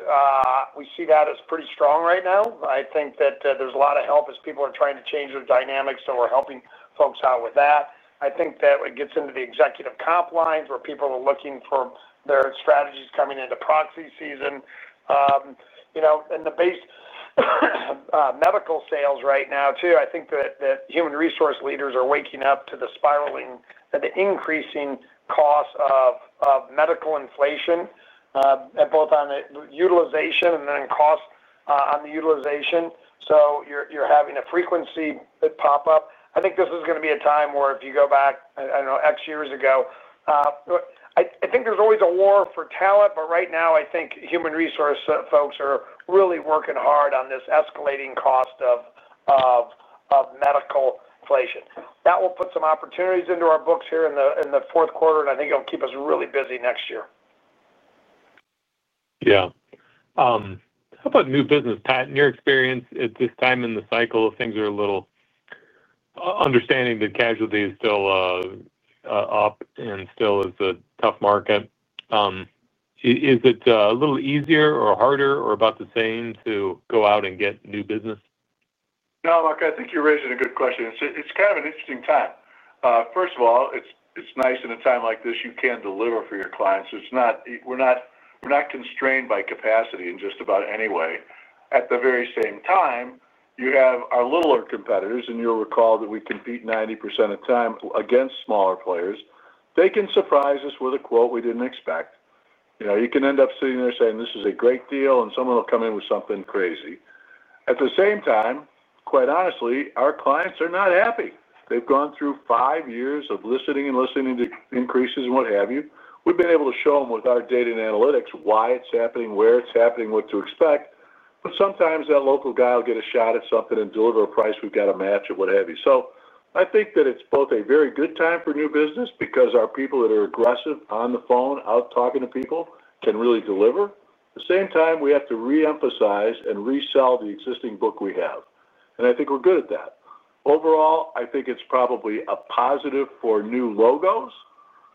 We see that as pretty strong right now. I think that there's a lot of help as people are trying to change their dynamics, so we're helping folks out with that. I think that it gets into the executive comp lines where people are looking for their strategies coming into proxy season. The base medical sales right now too, I think that human resource leaders are waking up to the spiraling and the increasing cost of medical inflation, both on the utilization and then cost on the utilization. You're having a frequency that pops up. I think this is going to be a time where if you go back, I don't know, X years ago, I think there's always a war for talent, but right now, I think human resource folks are really working hard on this escalating cost of medical inflation. That will put some opportunities into our books here in the fourth quarter, and I think it'll keep us really busy next year. Yeah. How about new business, Pat? In your experience, at this time in the cycle, things are a little—understanding that casualty is still up and still is a tough market. Is it a little easier or harder or about the same to go out and get new business? No, look, I think you raised a good question. It's kind of an interesting time. First of all, it's nice in a time like this you can deliver for your clients. We're not constrained by capacity in just about any way. At the very same time, you have our littler competitors, and you'll recall that we compete 90% of the time against smaller players. They can surprise us with a quote we didn't expect. You can end up sitting there saying, "This is a great deal," and someone will come in with something crazy. Quite honestly, our clients are not happy. They've gone through five years of listening and listening to increases and what have you. We've been able to show them with our data and analytics why it's happening, where it's happening, what to expect. Sometimes that local guy will get a shot at something and deliver a price we've got to match or what have you. I think that it's both a very good time for new business because our people that are aggressive on the phone, out talking to people, can really deliver. At the same time, we have to reemphasize and resell the existing book we have. I think we're good at that. Overall, I think it's probably a positive for new logos,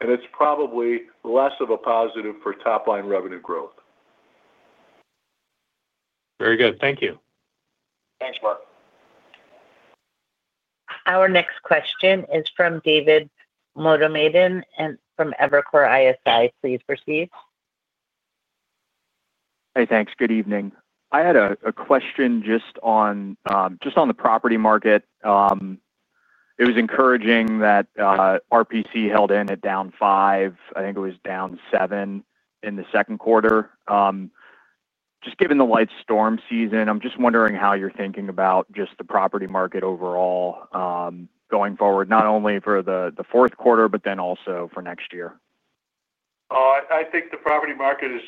and it's probably less of a positive for top-line revenue growth. Very good. Thank you. Thanks, Mark. Our next question is from David Motemaden from Evercore ISI. Please proceed. Hey, thanks. Good evening. I had a question just on the property market. It was encouraging that RPC held in at down 5%. I think it was down 7% in the second quarter. Given the light storm season, I'm just wondering how you're thinking about the property market overall going forward, not only for the fourth quarter, but then also for next year. I think the property market is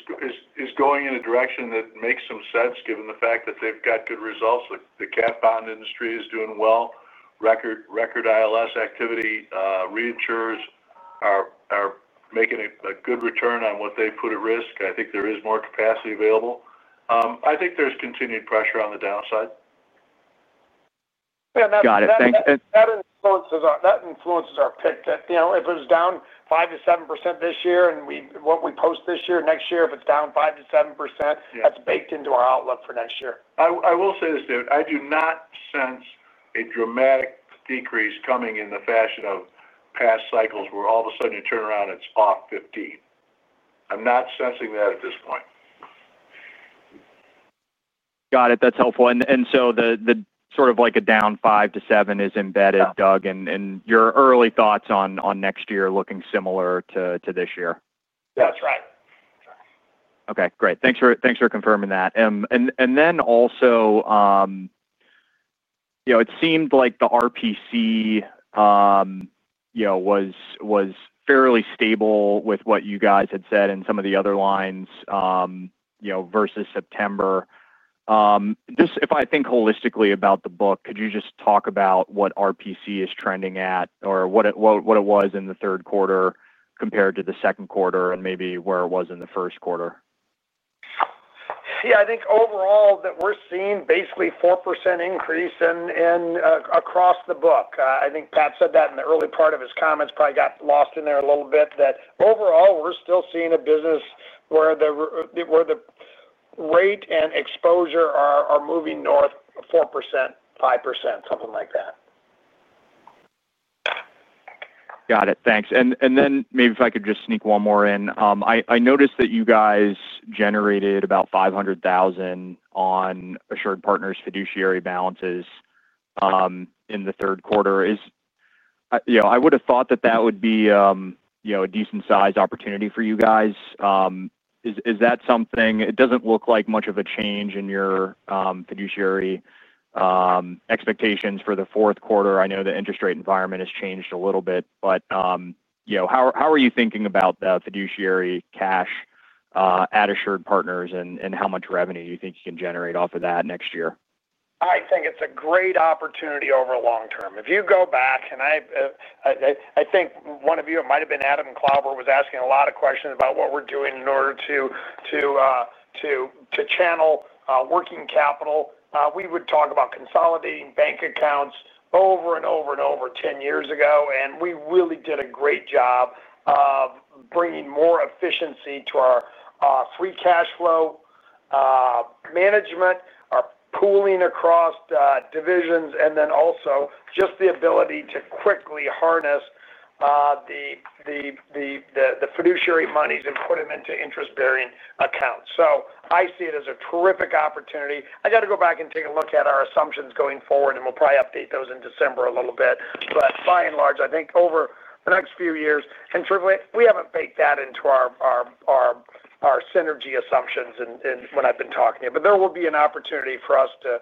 going in a direction that makes some sense given the fact that they've got good results. The cap bond industry is doing well. Record ILS activity, reinsurers are making a good return on what they put at risk. I think there is more capacity available. I think there's continued pressure on the downside. That influences our pick. If it was down 5% to 7% this year and what we post this year, next year, if it's down 5% to 7%, that's baked into our outlook for next year. I will say this too. I do not sense a dramatic decrease coming in the fashion of past cycles where all of a sudden you turn around and it's off 15%. I'm not sensing that at this point. Got it. That's helpful. The sort of like a down 5% to 7% is embedded, Doug, in your early thoughts on next year looking similar to this year. That's right. Okay. Great. Thanks for confirming that. And then also. It seemed like the RPC was fairly stable with what you guys had said in some of the other lines versus September. Just if I think holistically about the book, could you just talk about what RPC is trending at or what it was in the third quarter compared to the second quarter and maybe where it was in the first quarter? Yeah. I think overall that we're seeing basically a 4% increase across the book. I think Pat said that in the early part of his comments, probably got lost in there a little bit, that overall we're still seeing a business where the rate and exposure are moving north 4%, 5%, something like that. Got it. Thanks. Maybe if I could just sneak one more in. I noticed that you guys generated about $500,000 on AssuredPartners' fiduciary balances in the third quarter. I would have thought that that would be a decent-sized opportunity for you guys. Is that something—it doesn't look like much of a change in your fiduciary expectations for the fourth quarter. I know the interest rate environment has changed a little bit, but how are you thinking about the fiduciary cash at AssuredPartners and how much revenue you think you can generate off of that next year? I think it's a great opportunity over the long term. If you go back, and I think one of you, it might have been Adam Klauber, was asking a lot of questions about what we're doing in order to channel working capital. We would talk about consolidating bank accounts over and over and over 10 years ago, and we really did a great job of bringing more efficiency to our free cash flow management, our pooling across divisions, and then also just the ability to quickly harness the fiduciary monies and put them into interest-bearing accounts. I see it as a terrific opportunity. I got to go back and take a look at our assumptions going forward, and we'll probably update those in December a little bit. By and large, I think over the next few years—and we haven't baked that into our synergy assumptions when I've been talking to you—but there will be an opportunity for us to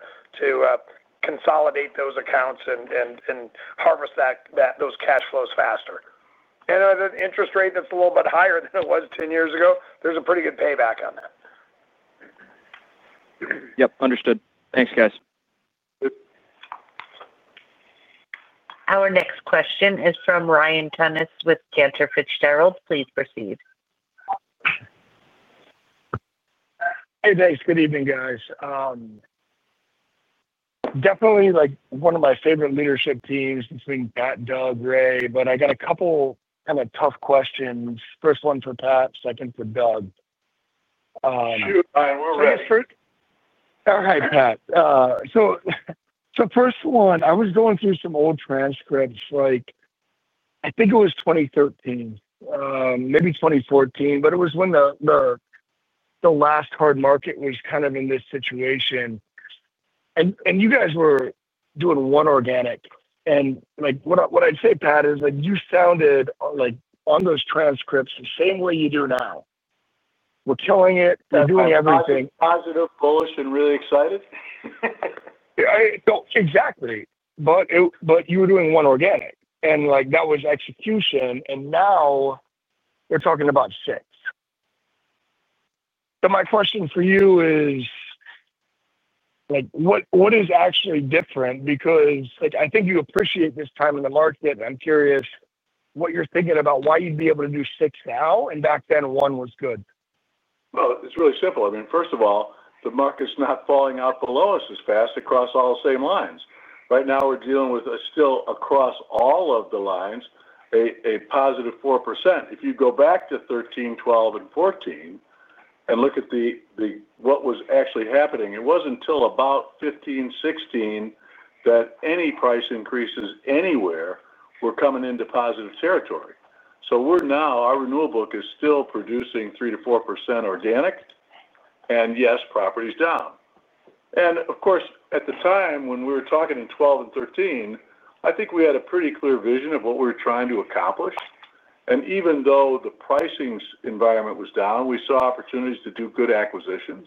consolidate those accounts and harvest those cash flows faster. At an interest rate that's a little bit higher than it was 10 years ago, there's a pretty good payback on that. Yep. Understood. Thanks, guys. Our next question is from Ryan Tunis with Cantor Fitzgerald. Please proceed. Hey, thanks. Good evening, guys. Definitely one of my favorite leadership teams between Pat, Doug, Ray, but I got a couple of kind of tough questions. First one for Pat, second for Doug. Shoot. We're ready. All right, Pat. First one, I was going through some old transcripts. I think it was 2013, maybe 2014, but it was when the last hard market was kind of in this situation. You guys were doing one organic. What I'd say, Pat, is you sounded on those transcripts the same way you do now. We're killing it. We're doing everything. Positive, bullish, and really excited. Exactly. You were doing one organic, and that was execution. Now you're talking about six. My question for you is, what is actually different? I think you appreciate this time in the market, and I'm curious what you're thinking about why you'd be able to do six now, and back then one was good. It's really simple. First of all, the market's not falling off the lowest as fast across all same lines. Right now, we're dealing with still, across all of the lines, a positive 4%. If you go back to 2013, 2012, and 2014 and look at what was actually happening, it wasn't until about 2015, 2016 that any price increases anywhere were coming into positive territory. Now our renewal book is still producing 3%-4% organic. Yes, property's down. At the time when we were talking in 2012 and 2013, I think we had a pretty clear vision of what we were trying to accomplish. Even though the pricing environment was down, we saw opportunities to do good acquisitions,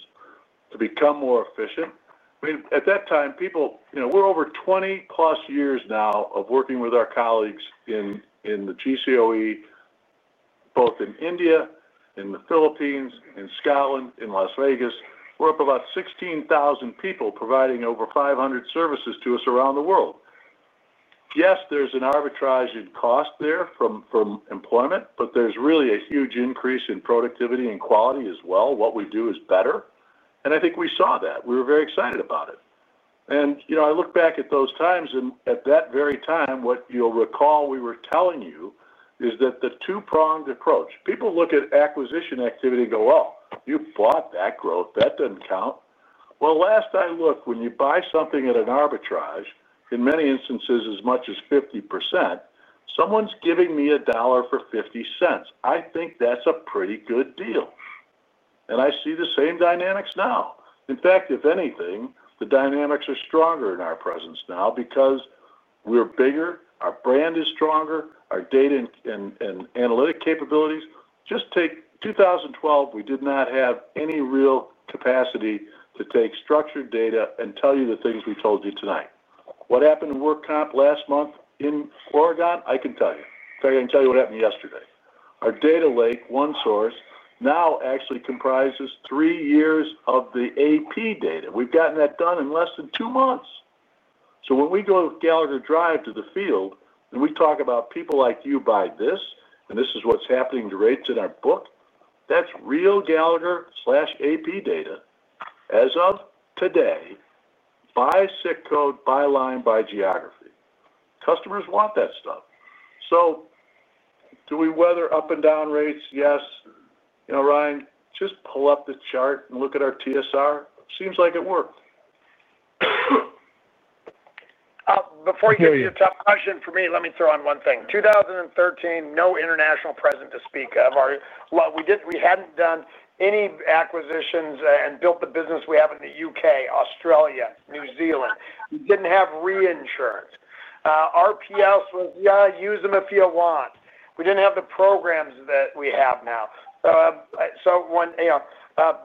to become more efficient. At that time, people—we're over 20+ years now of working with our colleagues in the GCOE, both in India, in the Philippines, in Scotland, in Las Vegas. We're up about 16,000 people providing over 500 services to us around the world. Yes, there's an arbitrage in cost there from employment, but there's really a huge increase in productivity and quality as well. What we do is better. I think we saw that. We were very excited about it. I look back at those times, and at that very time, what you'll recall we were telling you is that the two-pronged approach—people look at acquisition activity and go, "Oh, you bought that growth. That doesn't count." Last I looked, when you buy something at an arbitrage, in many instances, as much as 50%, someone's giving me a dollar for $0.50. I think that's a pretty good deal. I see the same dynamics now. In fact, if anything, the dynamics are stronger in our presence now because we're bigger, our brand is stronger, our data and analytic capabilities. Just take 2012. We did not have any real capacity to take structured data and tell you the things we told you tonight. What happened to [Work Comp last month in Oregon]? I can tell you. In fact, I can tell you what happened yesterday. Our data lake, OneSource, now actually comprises three years of the AP data. We've gotten that done in less than two months. When we go to Gallagher Drive to the field and we talk about people like you buy this, and this is what's happening to rates in our book, that's real Gallagher/AP data as of today, by zip code, by line, by geography. Customers want that stuff. Do we weather up and down rates? Yes. Ryan, just pull up the chart and look at our TSR. Seems like it worked. Before you get to your top question for me, let me throw in one thing. 2013, no international presence to speak of. We hadn't done any acquisitions and built the business we have in the U.K., Australia, New Zealand. We didn't have reinsurance. RPS was, "Yeah, use them if you want." We didn't have the programs that we have now.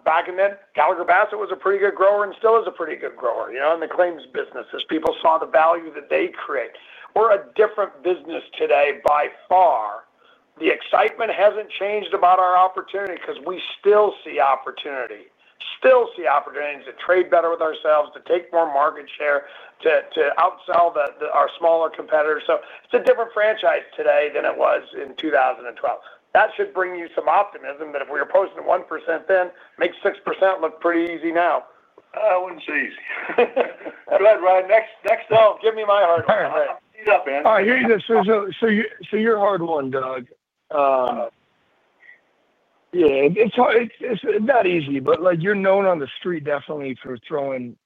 Back then, Gallagher Bassett was a pretty good grower and still is a pretty good grower in the claims business as people saw the value that they create. We're a different business today by far. The excitement hasn't changed about our opportunity because we still see opportunity. Still see opportunities to trade better with ourselves, to take more market share, to outsell our smaller competitors. It's a different franchise today than it was in 2012. That should bring you some optimism that if we were opposed to 1% then, makes 6% look pretty easy now. Oh, it's easy. Go ahead, Ryan. Next up. Give me my hard one. All right. I'll speed up, man. All right. So your hard one, Doug. Yeah. It's not easy, but you're known on the street definitely for throwing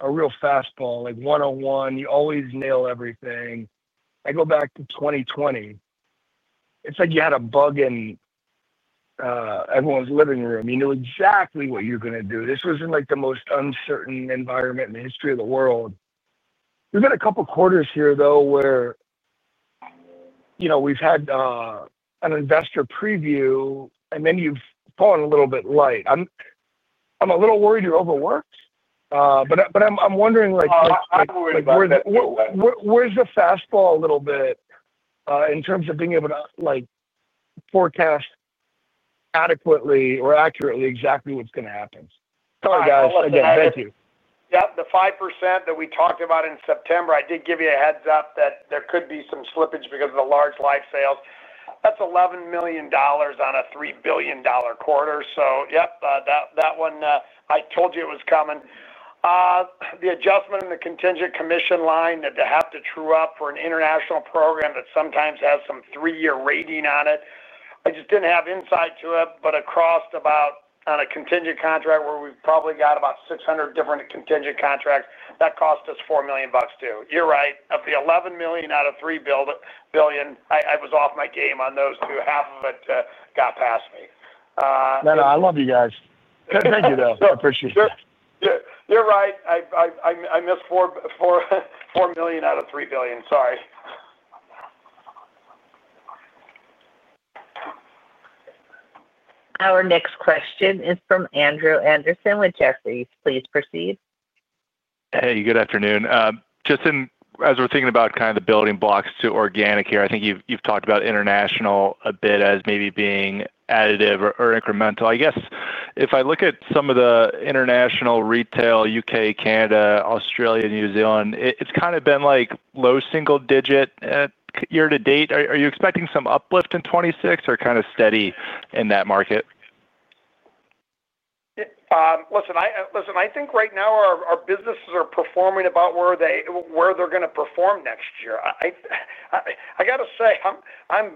a real fastball. One-on-one, you always nail everything. I go back to 2020. It's like you had a bug in everyone's living room. You knew exactly what you were going to do. This was in the most uncertain environment in the history of the world. We've had a couple of quarters here where we've had an investor preview, and then you've fallen a little bit light. I'm a little worried you're overworked, but I'm wondering where's the fastball a little bit in terms of being able to forecast. Adequately or accurately exactly what's going to happen? Sorry, guys. Again, thank you. Yep. The 5% that we talked about in September, I did give you a heads-up that there could be some slippage because of the large live sales. That's $11 million on a $3 billion quarter. Yep, that one, I told you it was coming. The adjustment in the contingent commission line that they have to true up for an international program that sometimes has some three-year rating on it, I just didn't have insight to it, but across about on a contingent contract where we've probably got about 600 different contingent contracts, that cost us $4 million too. You're right. Of the $11 million out of $3 billion, I was off my game on those two. Half of it got past me. No, no. I love you guys. Thank you, though. I appreciate it. You're right. I missed $4 million out of $3 billion. Sorry. Our next question is from Andrew Andersen with Jefferies. Please proceed. Hey, good afternoon. Just as we're thinking about kind of the building blocks to organic here, I think you've talked about international a bit as maybe being additive or incremental. I guess if I look at some of the international retail, U.K., Canada, Australia, New Zealand, it's kind of been low single-digit year to date. Are you expecting some uplift in 2026 or kind of steady in that market? Listen, I think right now our businesses are performing about where they're going to perform next year. I got to say, I'm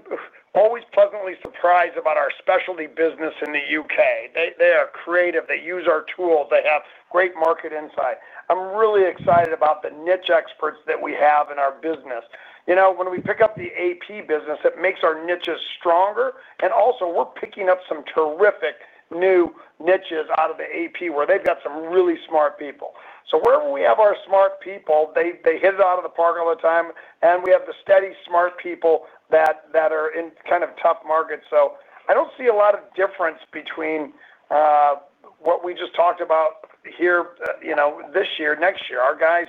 always pleasantly surprised about our specialty business in the U.K.. They are creative. They use our tools. They have great market insight. I'm really excited about the niche experts that we have in our business. When we pick up the AP business, it makes our niches stronger. Also, we're picking up some terrific new niches out of the AP where they've got some really smart people. Wherever we have our smart people, they hit it out of the park all the time. We have the steady, smart people that are in kind of tough markets. I don't see a lot of difference between what we just talked about here this year, next year. Our guys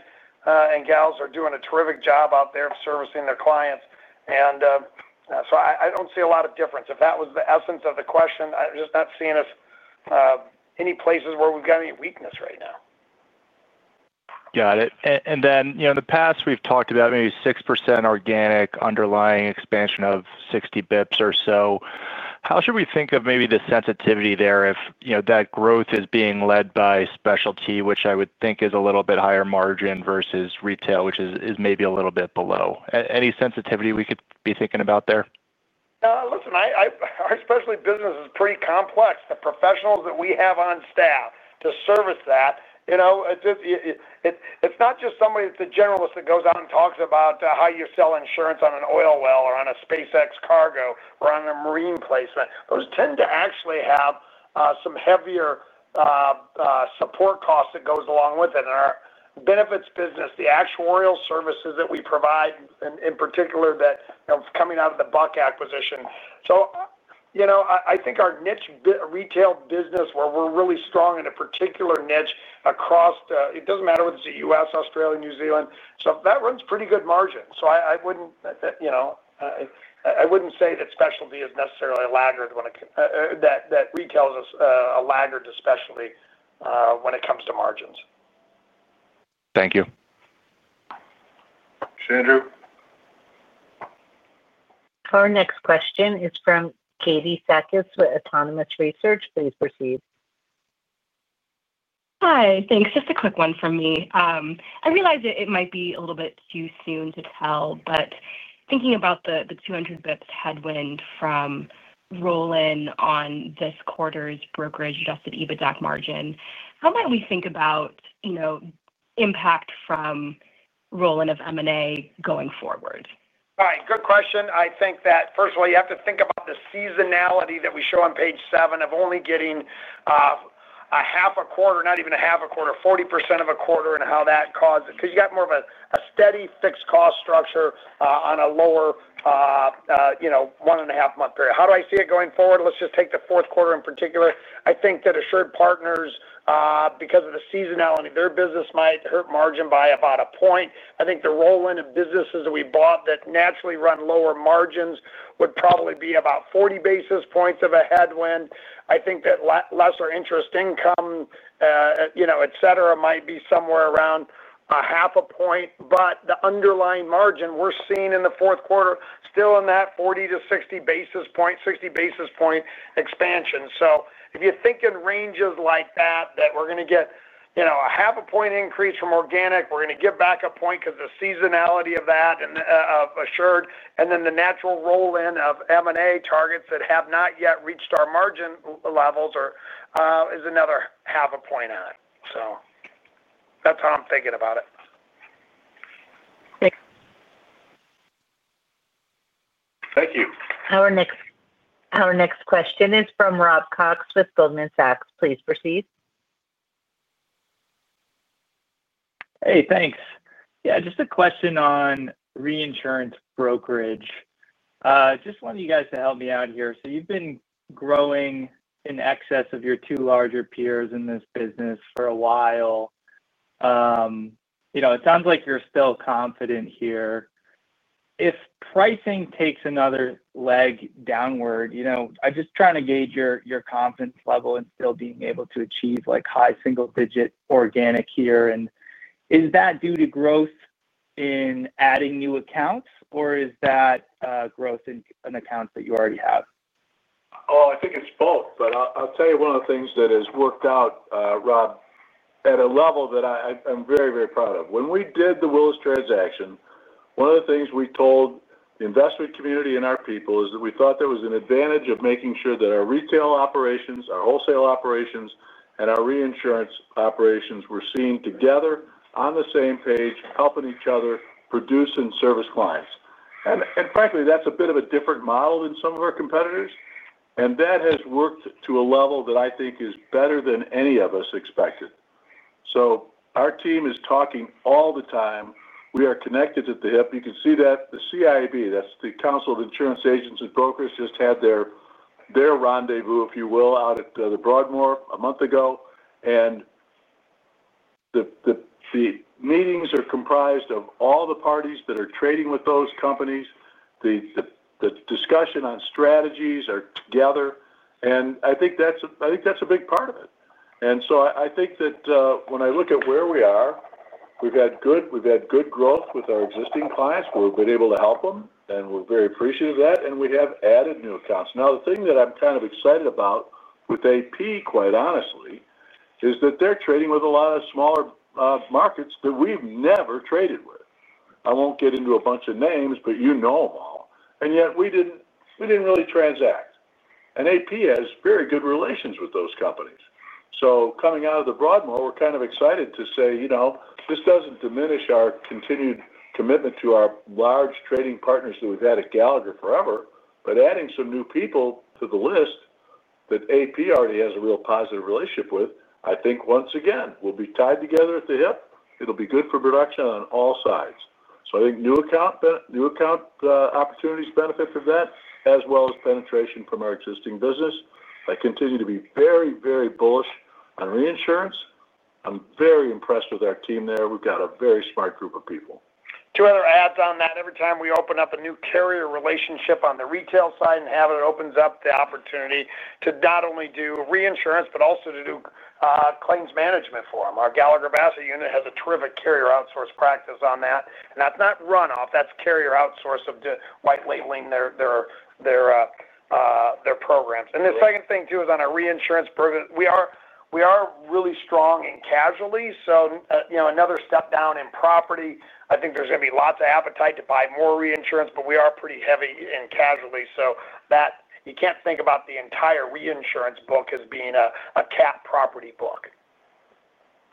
and gals are doing a terrific job out there of servicing their clients. I don't see a lot of difference. If that was the essence of the question, I'm just not seeing us any places where we've got any weakness right now. Got it. In the past, we've talked about maybe 6% organic underlying expansion of 60 bps or so. How should we think of maybe the sensitivity there if that growth is being led by specialty, which I would think is a little bit higher margin versus retail, which is maybe a little bit below? Any sensitivity we could be thinking about there? Listen, our specialty business is pretty complex. The professionals that we have on staff to service that. It's not just somebody—it's a generalist that goes out and talks about how you sell insurance on an oil well or on a SpaceX cargo or on a marine placement. Those tend to actually have some heavier support costs that go along with it. Our benefits business, the actuarial services that we provide in particular that are coming out of the Buck acquisition. I think our niche retail business, where we're really strong in a particular niche across the—it doesn't matter whether it's the U.S., Australia, New Zealand—so that runs pretty good margins. I wouldn't say that specialty is necessarily a laggard that retail is a laggard to specialty when it comes to margins. Thank you. Thanks, Andrew. Our next question is from Katie Sakys with Autonomous Research. Please proceed. Hi. Thanks. Just a quick one from me. I realize it might be a little bit too soon to tell, but thinking about the 200 bps headwind from Roland on this quarter's brokerage adjusted EBITDA margin, how might we think about impact from Roland of M&A going forward? Good question. I think that, first of all, you have to think about the seasonality that we show on page seven of only getting a half a quarter, not even a half a quarter, 40% of a quarter, and how that causes—because you got more of a steady fixed cost structure on a lower one-and-a-half-month period. How do I see it going forward? Let's just take the fourth quarter in particular. I think that AssuredPartners, because of the seasonality, their business might hurt margin by about a point. I think the Roland businesses that we bought that naturally run lower margins would probably be about 40 basis points of a headwind. I think that lesser interest income, etc., might be somewhere around a half a point. The underlying margin we're seeing in the fourth quarter is still in that 40 basis point-60 basis point, 60 basis point expansion. If you're thinking ranges like that, we're going to get a half a point increase from organic, we're going to give back a point because of the seasonality of that and of Assured. Then the natural roll-in of M&A targets that have not yet reached our margin levels is another half a point on it. That's how I'm thinking about it. Thank you. Our next question is from Rob Cox with Goldman Sachs. Please proceed. Hey, thanks. Yeah, just a question on reinsurance brokerage. Just wanted you guys to help me out here. You've been growing in excess of your two larger peers in this business for a while. It sounds like you're still confident here. If pricing takes another leg downward, I'm just trying to gauge your confidence level in still being able to achieve high single-digit organic here. Is that due to growth in adding new accounts, or is that growth in accounts that you already have? Oh, I think it's both. I'll tell you one of the things that has worked out, Rob, at a level that I'm very, very proud of. When we did the Willis transaction, one of the things we told the investor community and our people is that we thought there was an advantage of making sure that our retail operations, our wholesale operations, and our reinsurance operations were seen together on the same page, helping each other, producing service clients. Frankly, that's a bit of a different model than some of our competitors, and that has worked to a level that I think is better than any of us expected. Our team is talking all the time. We are connected at the hip. You can see that the CIAB, that's the Council of Insurance Agents and Brokers, just had their rendezvous, if you will, out at the Broadmoor a month ago. The meetings are comprised of all the parties that are trading with those companies. The discussion on strategies are together, and I think that's a big part of it. I think that when I look at where we are, we've had good growth with our existing clients. We've been able to help them, and we're very appreciative of that. We have added new accounts. The thing that I'm kind of excited about with AP, quite honestly, is that they're trading with a lot of smaller markets that we've never traded with. I won't get into a bunch of names, but you know them all, and yet, we didn't really transact. AP has very good relations with those companies. Coming out of the Broadmoor, we're kind of excited to say. This doesn't diminish our continued commitment to our large trading partners that we've had at Gallagher forever, but adding some new people to the list that AP already has a real positive relationship with, I think, once again, we'll be tied together at the hip. It'll be good for production on all sides. I think new account opportunities benefit from that, as well as penetration from our existing business. I continue to be very, very bullish on reinsurance. I'm very impressed with our team there. We've got a very smart group of people. Two other adds on that. Every time we open up a new carrier relationship on the retail side and have it, it opens up the opportunity to not only do reinsurance but also to do claims management for them. Our Gallagher Bassett unit has a terrific carrier outsource practice on that. That's not runoff. That's carrier outsource of white labeling their programs. The second thing, too, is on our reinsurance program. We are really strong in casualty. Another step down in property, I think there's going to be lots of appetite. More reinsurance, but we are pretty heavy in casualty, so you can't think about the entire reinsurance book as being a cap property book.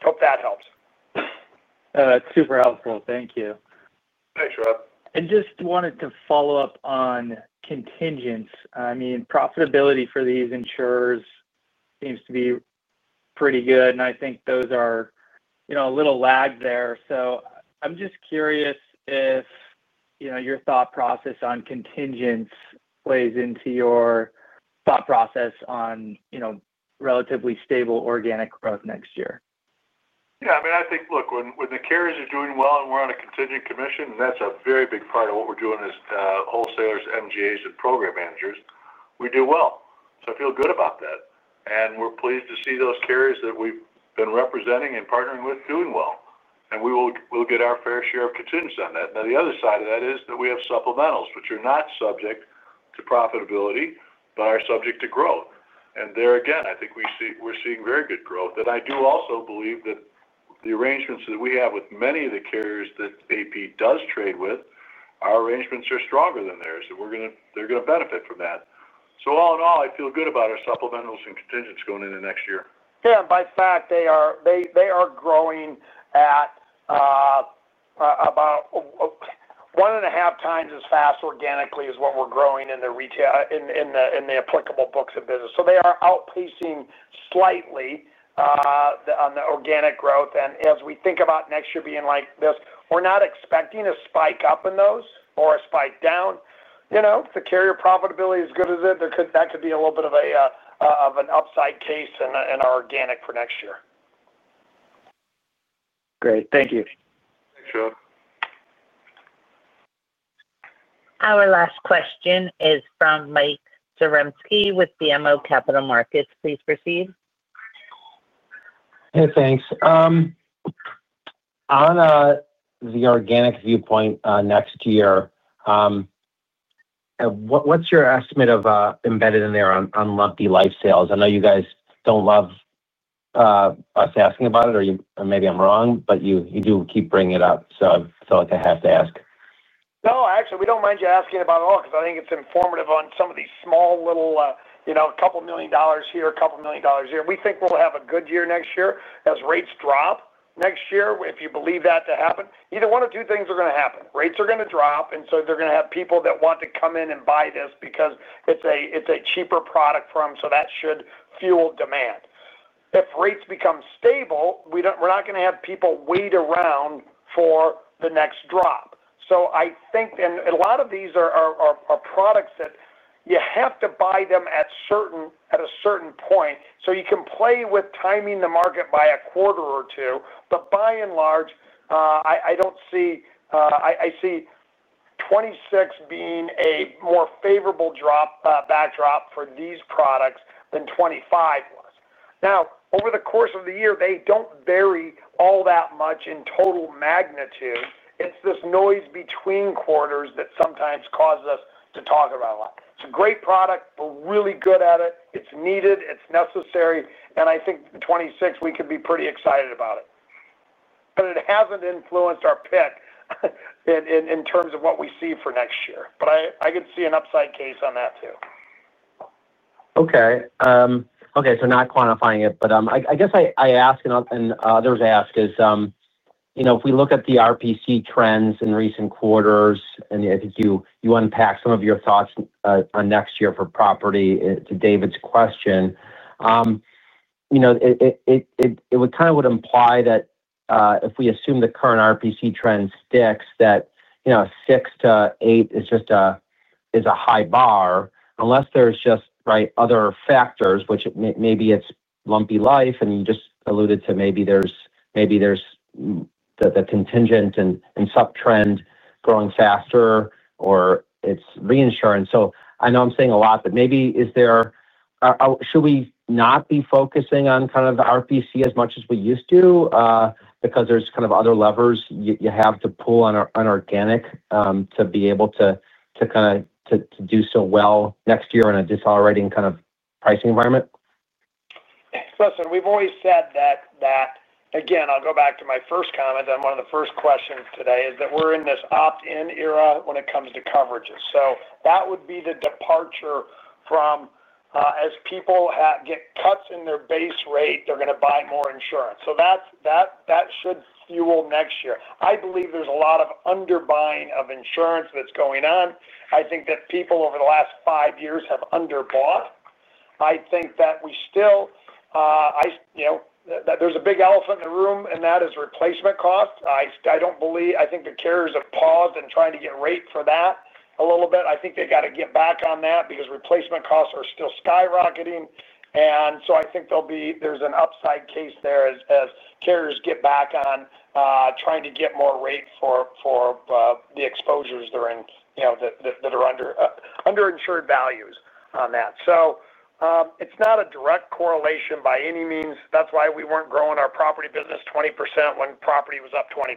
Hope that helps. That's super helpful. Thank you. Thanks, Rob. I just wanted to follow up on contingents. Profitability for these insurers seems to be pretty good, and I think there is a little lag there. I'm just curious if your thought process on contingents plays into your thought process on relatively stable organic growth next year. Yeah. I mean, I think, look, when the carriers are doing well and we're on a contingent commission, and that's a very big part of what we're doing as wholesalers, MGAs, and program managers, we do well. I feel good about that. We're pleased to see those carriers that we've been representing and partnering with doing well. We'll get our fair share of contingents on that. Now, the other side of that is that we have supplementals, which are not subject to profitability but are subject to growth. There, again, I think we're seeing very good growth. I do also believe that the arrangements that we have with many of the carriers that AP does trade with, our arrangements are stronger than theirs, and they're going to benefit from that. All in all, I feel good about our supplementals and contingents going into next year. By fact, they are growing at about 1.5x as fast organically as what we're growing in the applicable books of business. They are outpacing slightly on the organic growth. As we think about next year being like this, we're not expecting a spike up in those or a spike down. If the carrier profitability is good as it, that could be a little bit of an upside case in our organic for next year. Great, thank you. Our last question is from Mike Zaremski with BMO Capital Markets. Please proceed. Hey, thanks. On the organic viewpoint next year, what's your estimate of embedded in there on lumpy life sales? I know you guys don't love us asking about it, or maybe I'm wrong, but you do keep bringing it up, so I feel like I have to ask. No, actually, we don't mind you asking about it at all because I think it's informative on some of these small little couple million dollars here, a couple million dollars there. We think we'll have a good year next year as rates drop. Next year, if you believe that to happen, either one of two things are going to happen. Rates are going to drop, and so they're going to have people that want to come in and buy this because it's a cheaper product for them, so that should fuel demand. If rates become stable, we're not going to have people wait around for the next drop. A lot of these are products that you have to buy at a certain point. You can play with timing the market by a quarter or two, but by and large, I see 2026 being a more favorable backdrop for these products than 2025 was. Over the course of the year, they don't vary all that much in total magnitude. It's this noise between quarters that sometimes causes us to talk about it a lot. It's a great product. We're really good at it. It's needed. It's necessary. I think 2026, we could be pretty excited about it. It hasn't influenced our pick in terms of what we see for next year. I could see an upside case on that too. Okay. Not quantifying it, but I guess I ask, and others ask, if we look at the RPC trends in recent quarters, and I think you unpacked some of your thoughts on next year for property to David's question. It kind of would imply that if we assume the current RPC trend sticks, that 6 trend sticks-8 trend sticks is just a high bar unless there's just other factors, which maybe it's lumpy life, and you just alluded to maybe there's the contingent and subtrend growing faster or it's reinsurance. I know I'm saying a lot, but maybe is there, should we not be focusing on kind of RPC as much as we used to, because there's kind of other levers you have to pull on organic to be able to kind of do so well next year in a decelerating kind of pricing environment? Listen, we've always said that, again, I'll go back to my first comment on one of the first questions today, is that we're in this opt-in era when it comes to coverages. That would be the departure from as people get cuts in their base rate, they're going to buy more insurance. That should fuel next year. I believe there's a lot of underbuying of insurance that's going on. I think that people over the last five years have underbought. I think that we still, there's a big elephant in the room, and that is replacement cost. I think the carriers have paused and tried to get right for that a little bit. I think they got to get back on that because replacement costs are still skyrocketing. I think there's an upside case there as carriers get back on trying to get more rate for the exposures that are underinsured values on that. It's not a direct correlation by any means. That's why we weren't growing our property business 20% when property was up 20%.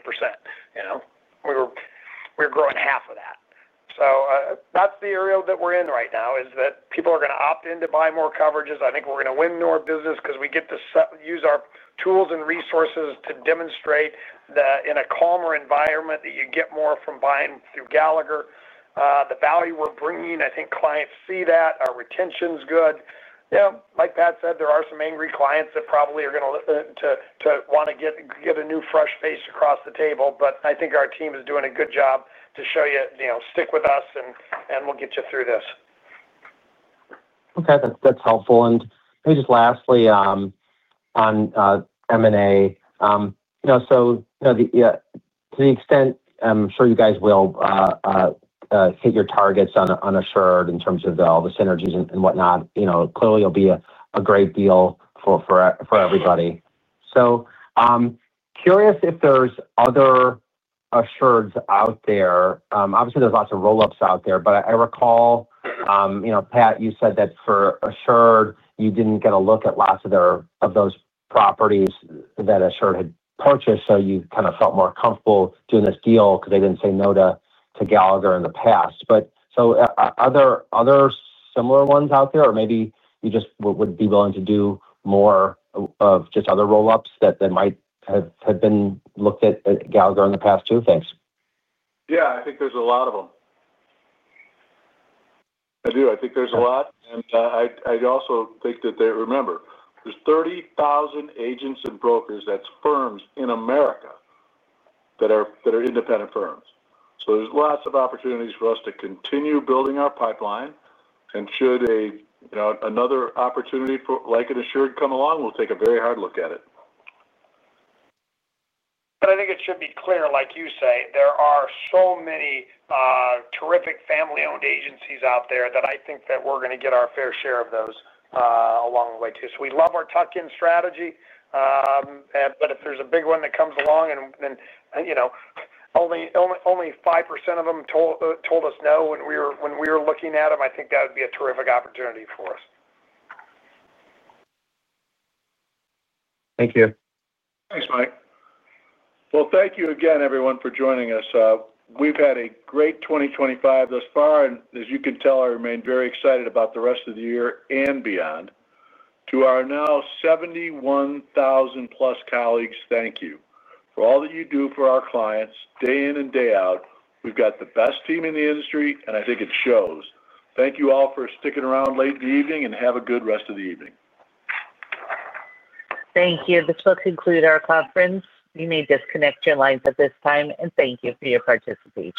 We were growing half of that. That's the area that we're in right now, is that people are going to opt in to buy more coverages. I think we're going to win more business because we get to use our tools and resources to demonstrate that in a calmer environment that you get more from buying through Gallagher. The value we're bringing, I think clients see that. Our retention's good. Yeah. Like Pat said, there are some angry clients that probably are going to want to get a new fresh face across the table, but I think our team is doing a good job to show you, "Stick with us, and we'll get you through this. Okay. That's helpful. Maybe just lastly, on M&A, to the extent I'm sure you guys will hit your targets on Assured in terms of all the synergies and whatnot, clearly it'll be a great deal for everybody. Curious if there's other Assureds out there. Obviously, there's lots of roll-ups out there, but I recall, Pat, you said that for Assured, you didn't get a look at lots of those properties that Assured had purchased, so you kind of felt more comfortable doing this deal because they didn't say no to Gallagher in the past. Are there other similar ones out there, or maybe you just would be willing to do more of just other roll-ups that might have been looked at Gallagher in the past too? Thanks. Yeah, I think there's a lot of them. I do. I think there's a lot. I also think that they remember, there's 30,000 agents and brokers, that's firms in America, that are independent firms. There's lots of opportunities for us to continue building our pipeline. Should another opportunity like an Assured come along, we'll take a very hard look at it. I think it should be clear, like you say, there are so many terrific family-owned agencies out there that I think that we're going to get our fair share of those along the way too. We love our tuck-in strategy. If there's a big one that comes along and only 5% of them told us no when we were looking at them, I think that would be a terrific opportunity for us. Thank you. Thanks, Mike. Thank you again, everyone, for joining us. We've had a great 2025 thus far, and as you can tell, I remain very excited about the rest of the year and beyond. To our now 71,000+ colleagues, thank you for all that you do for our clients day in and day out. We've got the best team in the industry, and I think it shows. Thank you all for sticking around late in the evening, and have a good rest of the evening. Thank you. This will conclude our conference. You may disconnect your lines at this time, and thank you for your participation.